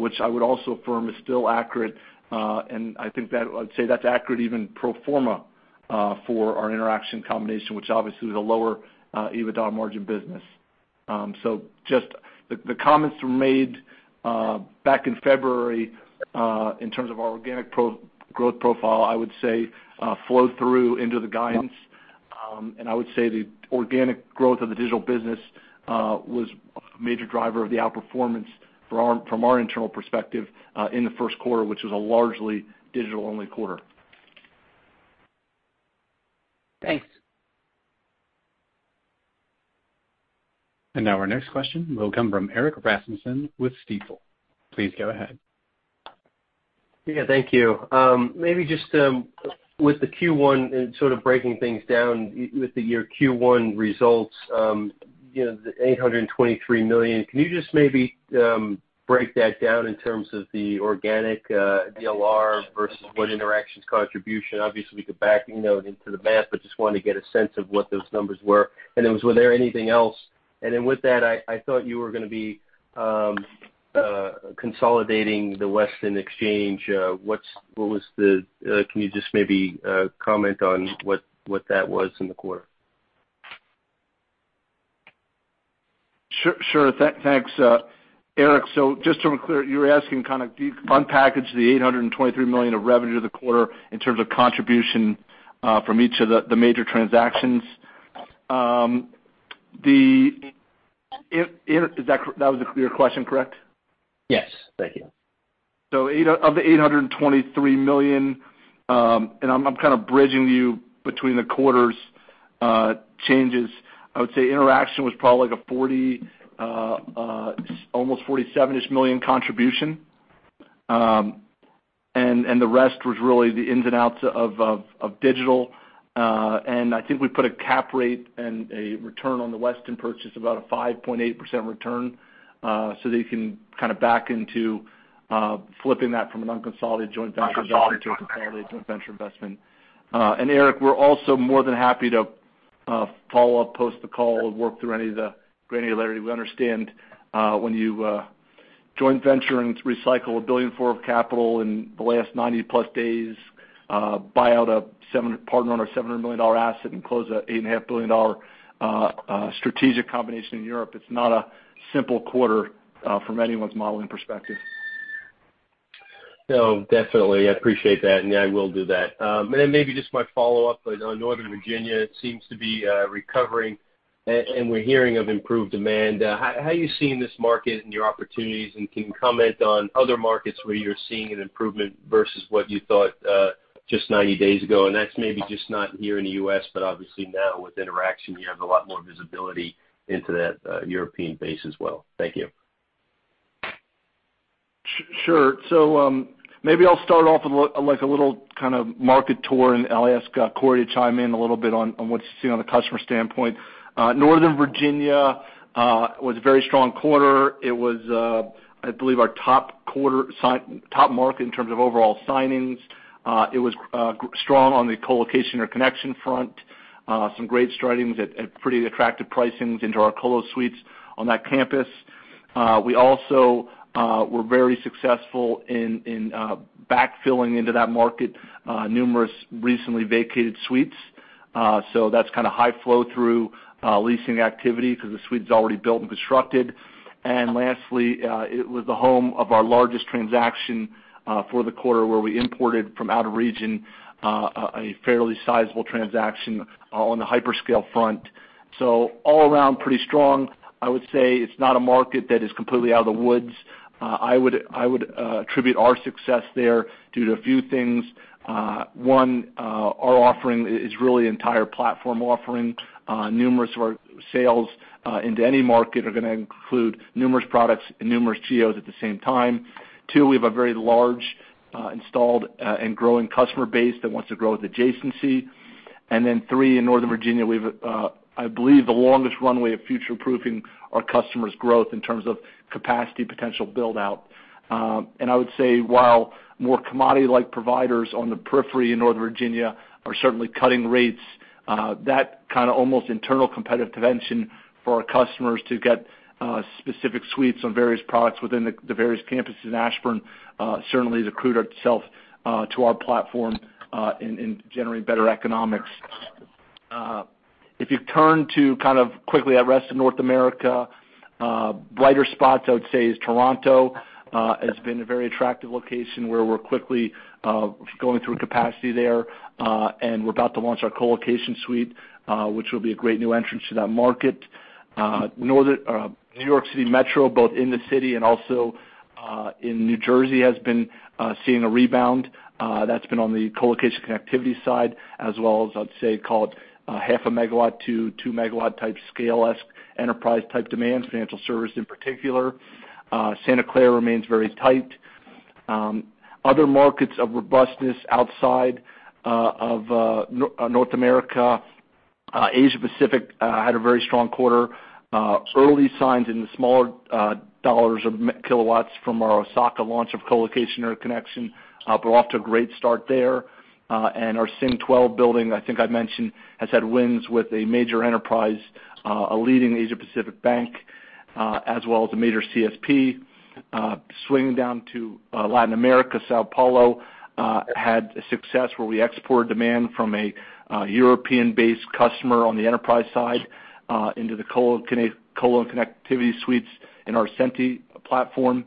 S4: which I would also affirm is still accurate. I think that I'd say that's accurate even pro forma for our Interxion combination, which obviously is a lower EBITDA margin business. Just the comments were made back in February in terms of our organic growth profile, I would say flow through into the guidance. I would say the organic growth of the digital business was a major driver of the outperformance from our internal perspective in the first quarter, which was a largely digital-only quarter.
S8: Thanks.
S1: Now our next question will come from Erik Rasmussen with Stifel. Please go ahead.
S9: Yeah, thank you. Maybe just with the Q1 and sort of breaking things down with the year Q1 results. The $823 million, can you just maybe break that down in terms of the organic DLR versus what Interxion's contribution? Obviously, we could back into the math, but just wanted to get a sense of what those numbers were. Was there anything else? Then with that, I thought you were going to be consolidating the Westin exchange. Can you just maybe comment on what that was in the quarter?
S4: Sure. Thanks, Erik. Just to be clear, you're asking kind of de-unpackage the $823 million of revenue of the quarter in terms of contribution from each of the major transactions. That was a clear question, correct?
S9: Yes. Thank you.
S4: Of the $823 million, and I'm kind of bridging you between the quarters' changes, I would say Interxion was probably like almost $47-ish million contribution. The rest was really the ins and outs of Digital. I think we put a cap rate and a return on the Westin purchase about a 5.8% return, so that you can kind of back into flipping that from an unconsolidated joint venture value to a consolidated joint venture investment. Erik, we're also more than happy to follow up post the call and work through any of the granularity. We understand when you joint venture and recycle $1.4 billion of capital in the last 90+ days, buy out a partner on our $700 million asset, and close an $8.5 billion strategic combination in Europe, it's not a simple quarter from anyone's modeling perspective.
S9: No, definitely. I appreciate that. Yeah, I will do that. Maybe just my follow-up. Northern Virginia seems to be recovering, and we're hearing of improved demand. How are you seeing this market and your opportunities, and can you comment on other markets where you're seeing an improvement versus what you thought just 90 days ago? That's maybe just not here in the U.S., but obviously now with Interxion, you have a lot more visibility into that European base as well. Thank you.
S4: Sure. Maybe I'll start off with a little kind of market tour, and I'll ask Corey to chime in a little bit on what's seen on the customer standpoint. Northern Virginia was a very strong quarter. It was, I believe, our top market in terms of overall signings. It was strong on the colocation or connection front. Some great startings at pretty attractive pricings into our colo suites on that campus. We also were very successful in backfilling into that market numerous recently vacated suites. That's kind of high flow through leasing activity because the suite's already built and constructed. Lastly, it was the home of our largest transaction for the quarter, where we imported from out of region, a fairly sizable transaction on the hyperscale front. All around pretty strong. I would say it's not a market that is completely out of the woods. I would attribute our success there due to a few things. One, our offering is really entire platform offering. Numerous of our sales into any market are going to include numerous products and numerous geos at the same time. Two, we have a very large installed and growing customer base that wants to grow with adjacency. Three, in Northern Virginia, we've, I believe, the longest runway of future-proofing our customers' growth in terms of capacity potential build-out. I would say while more commodity-like providers on the periphery in Northern Virginia are certainly cutting rates, that kind of almost internal competitive dimension for our customers to get specific suites on various products within the various campuses in Ashburn certainly has accrued itself to our platform in generating better economics. If you turn to kind of quickly at rest of North America, brighter spots I would say is Toronto. It's been a very attractive location where we're quickly going through capacity there. We're about to launch our colocation suite, which will be a great new entrance to that market. New York City Metro, both in the city and also in New Jersey, has been seeing a rebound. That's been on the colocation connectivity side, as well as, I'd say, call it 0.5 MW-2 MW type scale-esque enterprise type demand, financial service in particular. Santa Clara remains very tight. Other markets of robustness outside of North America. Asia Pacific had a very strong quarter. Early signs in the smaller dollars of kilowatts from our Osaka launch of colocation or connection, but we're off to a great start there. Our SIN12 building, I think I mentioned, has had wins with a major enterprise, a leading Asia Pacific bank, as well as a major CSP. Swinging down to Latin America, São Paulo had a success where we exported demand from a European-based customer on the enterprise side into the colo and connectivity suites in our Ascenty platform.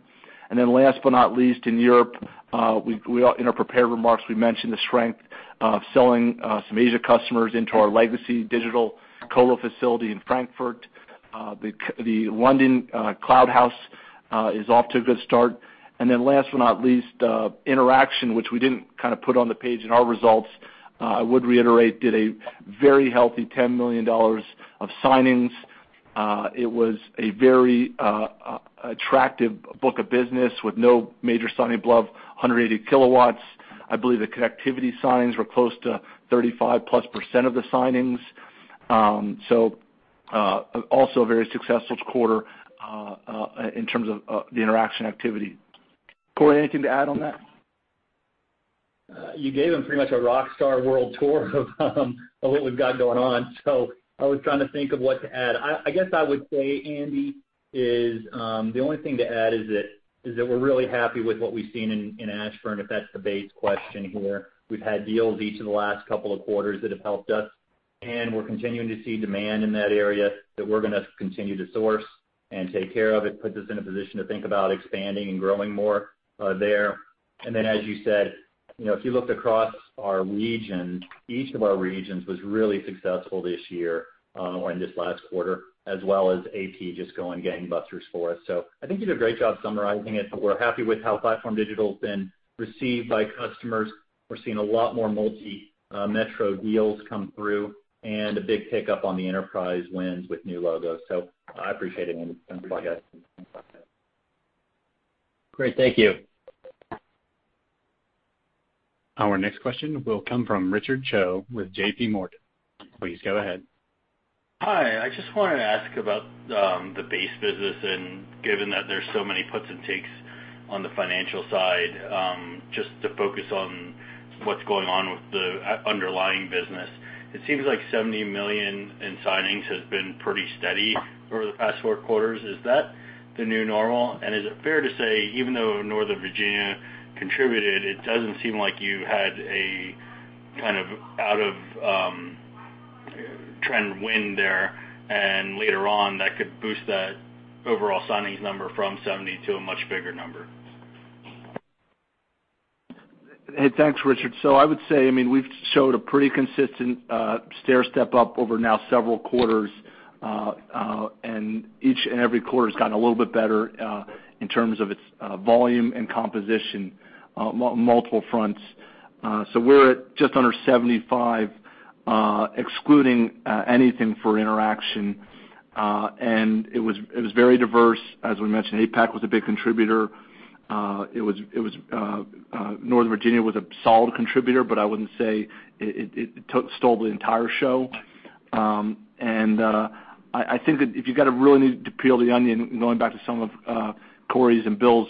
S4: Last but not least, in Europe, in our prepared remarks, we mentioned the strength of selling some Asia customers into our legacy Digital colo facility in Frankfurt. The London Cloud House is off to a good start. Last but not least, Interxion, which we didn't kind of put on the page in our results, I would reiterate, did a very healthy $10 million of signings. It was a very attractive book of business with no major signing above 180 kW. I believe the connectivity signings were close to 35%+ of the signings. Also a very successful quarter in terms of the Interxion activity. Corey, anything to add on that?
S7: You gave them pretty much a rock star world tour of what we've got going on. I was trying to think of what to add. I guess I would say, Andy, is the only thing to add is that we're really happy with what we've seen in Ashburn, if that's the base question here. We've had deals each of the last couple of quarters that have helped us, and we're continuing to see demand in that area that we're going to continue to source and take care of. It puts us in a position to think about expanding and growing more there. Then, as you said, if you looked across our region, each of our regions was really successful this year, or in this last quarter, as well as AP just going gangbusters for us. I think you did a great job summarizing it. We're happy with how PlatformDIGITAL has been received by customers. We're seeing a lot more multi-metro deals come through and a big pickup on the enterprise wins with new logos. I appreciate it, Andy. Thanks a lot, guys.
S9: Great. Thank you.
S1: Our next question will come from Richard Choe with JPMorgan. Please go ahead.
S10: Hi. I just wanted to ask about the base business, and given that there's so many puts and takes on the financial side, just to focus on what's going on with the underlying business. It seems like $70 million in signings has been pretty steady over the past four quarters. Is that the new normal? Is it fair to say, even though Northern Virginia contributed, it doesn't seem like you had a kind of out-of-trend wind there, and later on that could boost that overall signings number from $70 million to a much bigger number.
S4: Hey, thanks, Richard. I would say, we've showed a pretty consistent stair-step up over now several quarters. Each and every quarter has gotten a little bit better, in terms of its volume and composition, multiple fronts. We're at just under $75 million, excluding anything for Interxion. It was very diverse. As we mentioned, APAC was a big contributor. Northern Virginia was a solid contributor, but I wouldn't say it stole the entire show. I think that if you've got to really need to peel the onion, going back to some of Corey's and Bill's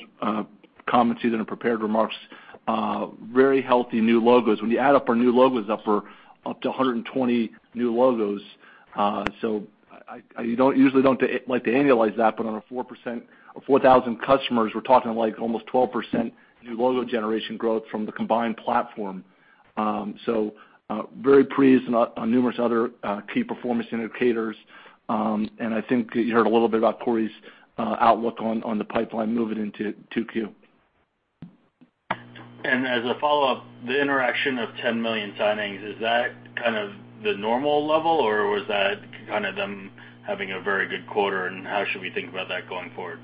S4: comments, even in prepared remarks. Very healthy new logos. When you add up our new logos up to 120 new logos. I usually don't like to annualize that, but on a 4,000 customers, we're talking like almost 12% new logo generation growth from the combined platform. Very pleased on numerous other key performance indicators. I think you heard a little bit about Corey's outlook on the pipeline moving into 2Q.
S10: As a follow-up, the Interxion of $10 million signings, is that kind of the normal level, or was that kind of them having a very good quarter, and how should we think about that going forward?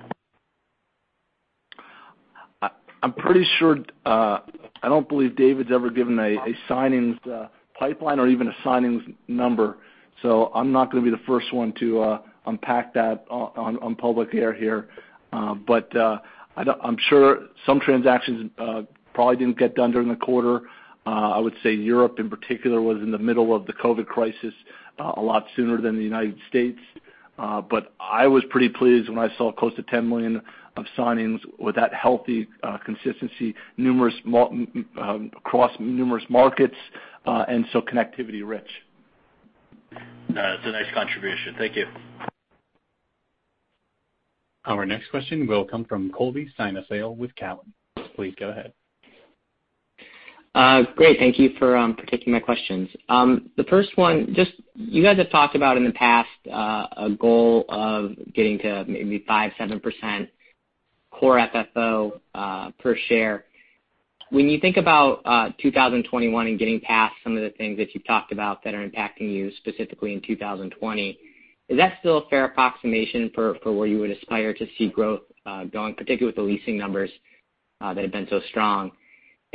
S4: I'm pretty sure, I don't believe David's ever given a signings pipeline or even a signings number. I'm not going to be the first one to unpack that on public air here. I'm sure some transactions probably didn't get done during the quarter. I would say Europe in particular was in the middle of the COVID crisis a lot sooner than the United States. I was pretty pleased when I saw close to $10 million of signings with that healthy consistency across numerous markets, connectivity rich.
S10: That's a nice contribution. Thank you.
S1: Our next question will come from Colby Synesael with Cowen. Please go ahead.
S11: Great. Thank you for taking my questions. The first one, just you guys have talked about in the past, a goal of getting to maybe 5%-7% core FFO per share. When you think about 2021 and getting past some of the things that you've talked about that are impacting you specifically in 2020, is that still a fair approximation for where you would aspire to see growth going, particularly with the leasing numbers that have been so strong?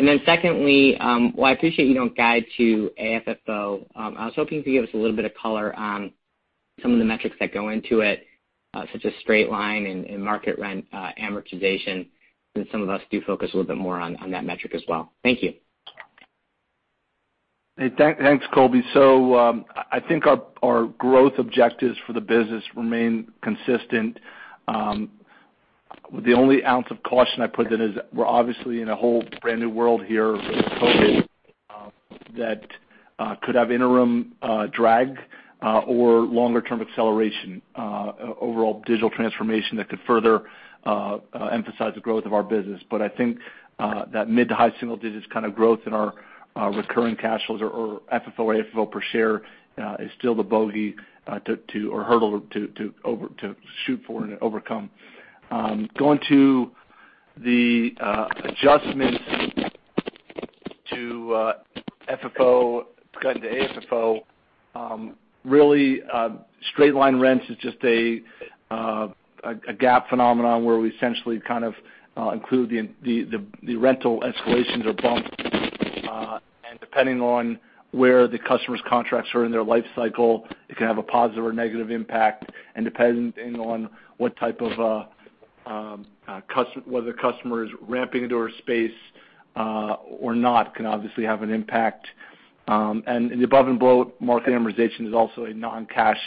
S11: Secondly, while I appreciate you don't guide to AFFO, I was hoping if you could give us a little bit of color on some of the metrics that go into it, such as straight-line and market rent amortization, since some of us do focus a little bit more on that metric as well. Thank you.
S4: Hey, thanks, Colby. I think our growth objectives for the business remain consistent. The only ounce of caution I'd put in is we're obviously in a whole brand-new world here with COVID that could have interim drag or longer-term acceleration, overall digital transformation that could further emphasize the growth of our business. I think that mid to high single digits kind of growth in our recurring cash flows or FFO per share is still the bogey or hurdle to shoot for and overcome. Going to the adjustments to FFO, kind of to AFFO, really, straight line rents is just a GAAP phenomenon where we essentially kind of include the rental escalations or bumps. Depending on where the customer's contracts are in their life cycle, it can have a positive or negative impact. Depending on whether the customer is ramping into our space or not can obviously have an impact. The above and below market amortization is also a non-cash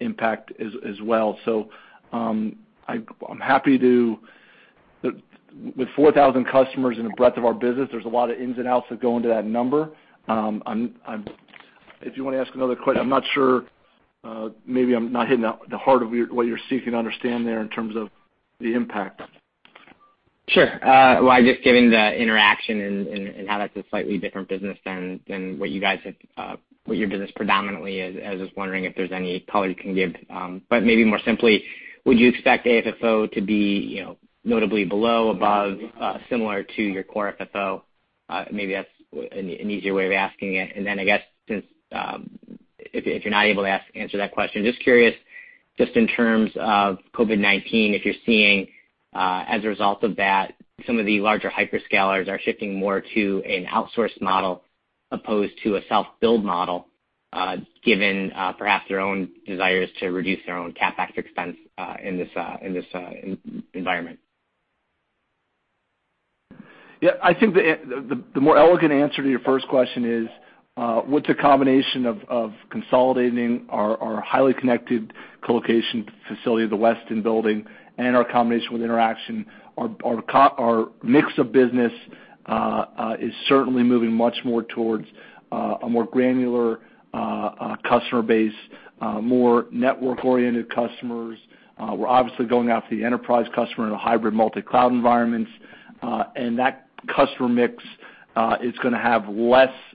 S4: impact as well. With 4,000 customers and the breadth of our business, there's a lot of ins and outs that go into that number. If you want to ask another question, I'm not sure, maybe I'm not hitting the heart of what you're seeking to understand there in terms of the impact.
S11: Sure. Just given the interaction and how that's a slightly different business than what your business predominantly is, I was just wondering if there's any color you can give. Maybe more simply, would you expect AFFO to be notably below, above, similar to your core FFO? Maybe that's an easier way of asking it. I guess, if you're not able to answer that question, just curious, just in terms of COVID-19, if you're seeing, as a result of that, some of the larger hyperscalers are shifting more to an outsourced model as opposed to a self-build model given perhaps their own desires to reduce their own CapEx expense in this environment.
S4: Yeah, I think the more elegant answer to your first question is, with the combination of consolidating our highly connected colocation facility at the Westin Building and our combination with Interxion, our mix of business is certainly moving much more towards a more granular customer base, more network-oriented customers. We're obviously going after the enterprise customer in a hybrid multi-cloud environments. That customer mix is going to have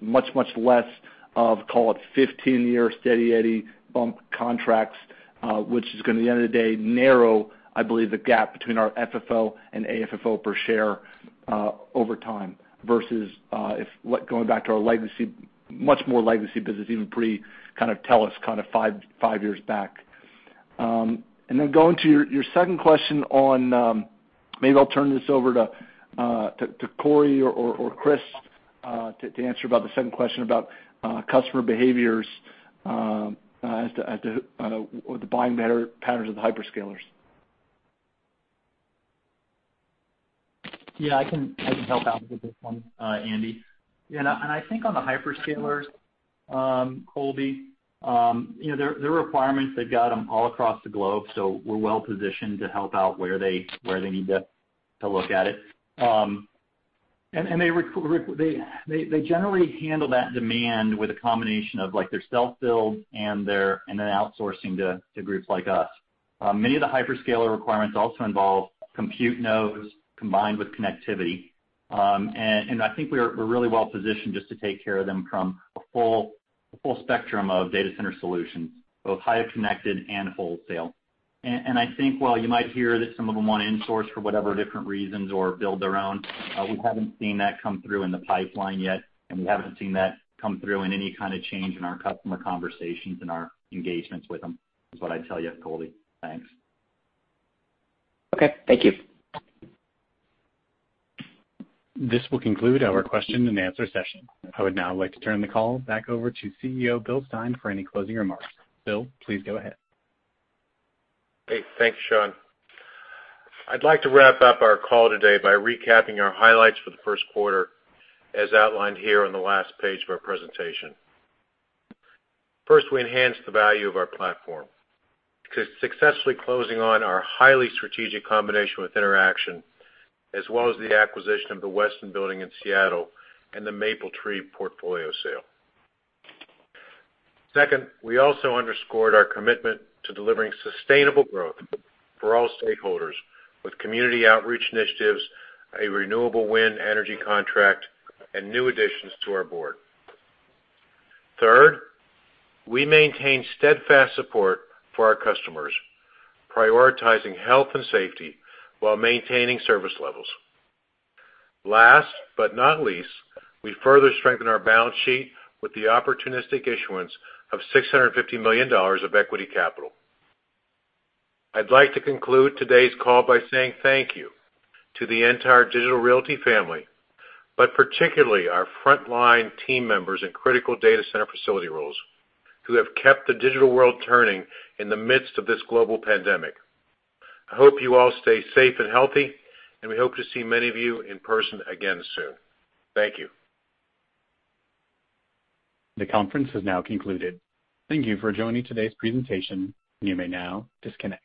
S4: much less of, call it 15-year steady-Eddie bump contracts, which is going to, at the end of the day, narrow, I believe, the gap between our FFO and AFFO per share over time versus going back to our much more legacy business, even pre-kind of tell us kind of five years back. Then going to your second question maybe I'll turn this over to Corey or Chris to answer about the second question about customer behaviors as to the buying patterns of the hyperscalers.
S7: Yeah, I can help out with this one, Andy. I think on the hyperscalers, Colby, their requirements, they've got them all across the globe, so we're well positioned to help out where they need to look at it. They generally handle that demand with a combination of their self-build and then outsourcing to groups like us. Many of the hyperscaler requirements also involve compute nodes combined with connectivity. I think we're really well positioned just to take care of them from a full spectrum of data center solutions, both highly connected and wholesale. I think while you might hear that some of them want to in-source for whatever different reasons or build their own, we haven't seen that come through in the pipeline yet, and we haven't seen that come through in any kind of change in our customer conversations and our engagements with them, is what I'd tell you, Colby. Thanks.
S11: Okay. Thank you.
S1: This will conclude our question and answer session. I would now like to turn the call back over to CEO Bill Stein for any closing remarks. Bill, please go ahead.
S3: Great. Thanks, Sean. I'd like to wrap up our call today by recapping our highlights for the first quarter, as outlined here on the last page of our presentation. First, we enhanced the value of our platform because successfully closing on our highly strategic combination with Interxion, as well as the acquisition of the Westin Building in Seattle and the Mapletree portfolio sale. Second, we also underscored our commitment to delivering sustainable growth for all stakeholders with community outreach initiatives, a renewable wind energy contract, and new additions to our Board. Third, we maintain steadfast support for our customers, prioritizing health and safety while maintaining service levels. Last but not least, we further strengthen our balance sheet with the opportunistic issuance of $650 million of equity capital. I'd like to conclude today's call by saying thank you to the entire Digital Realty family, but particularly our frontline team members in critical data center facility roles who have kept the digital world turning in the midst of this global pandemic. I hope you all stay safe and healthy, and we hope to see many of you in person again soon. Thank you.
S1: The conference has now concluded. Thank you for joining today's presentation. You may now disconnect.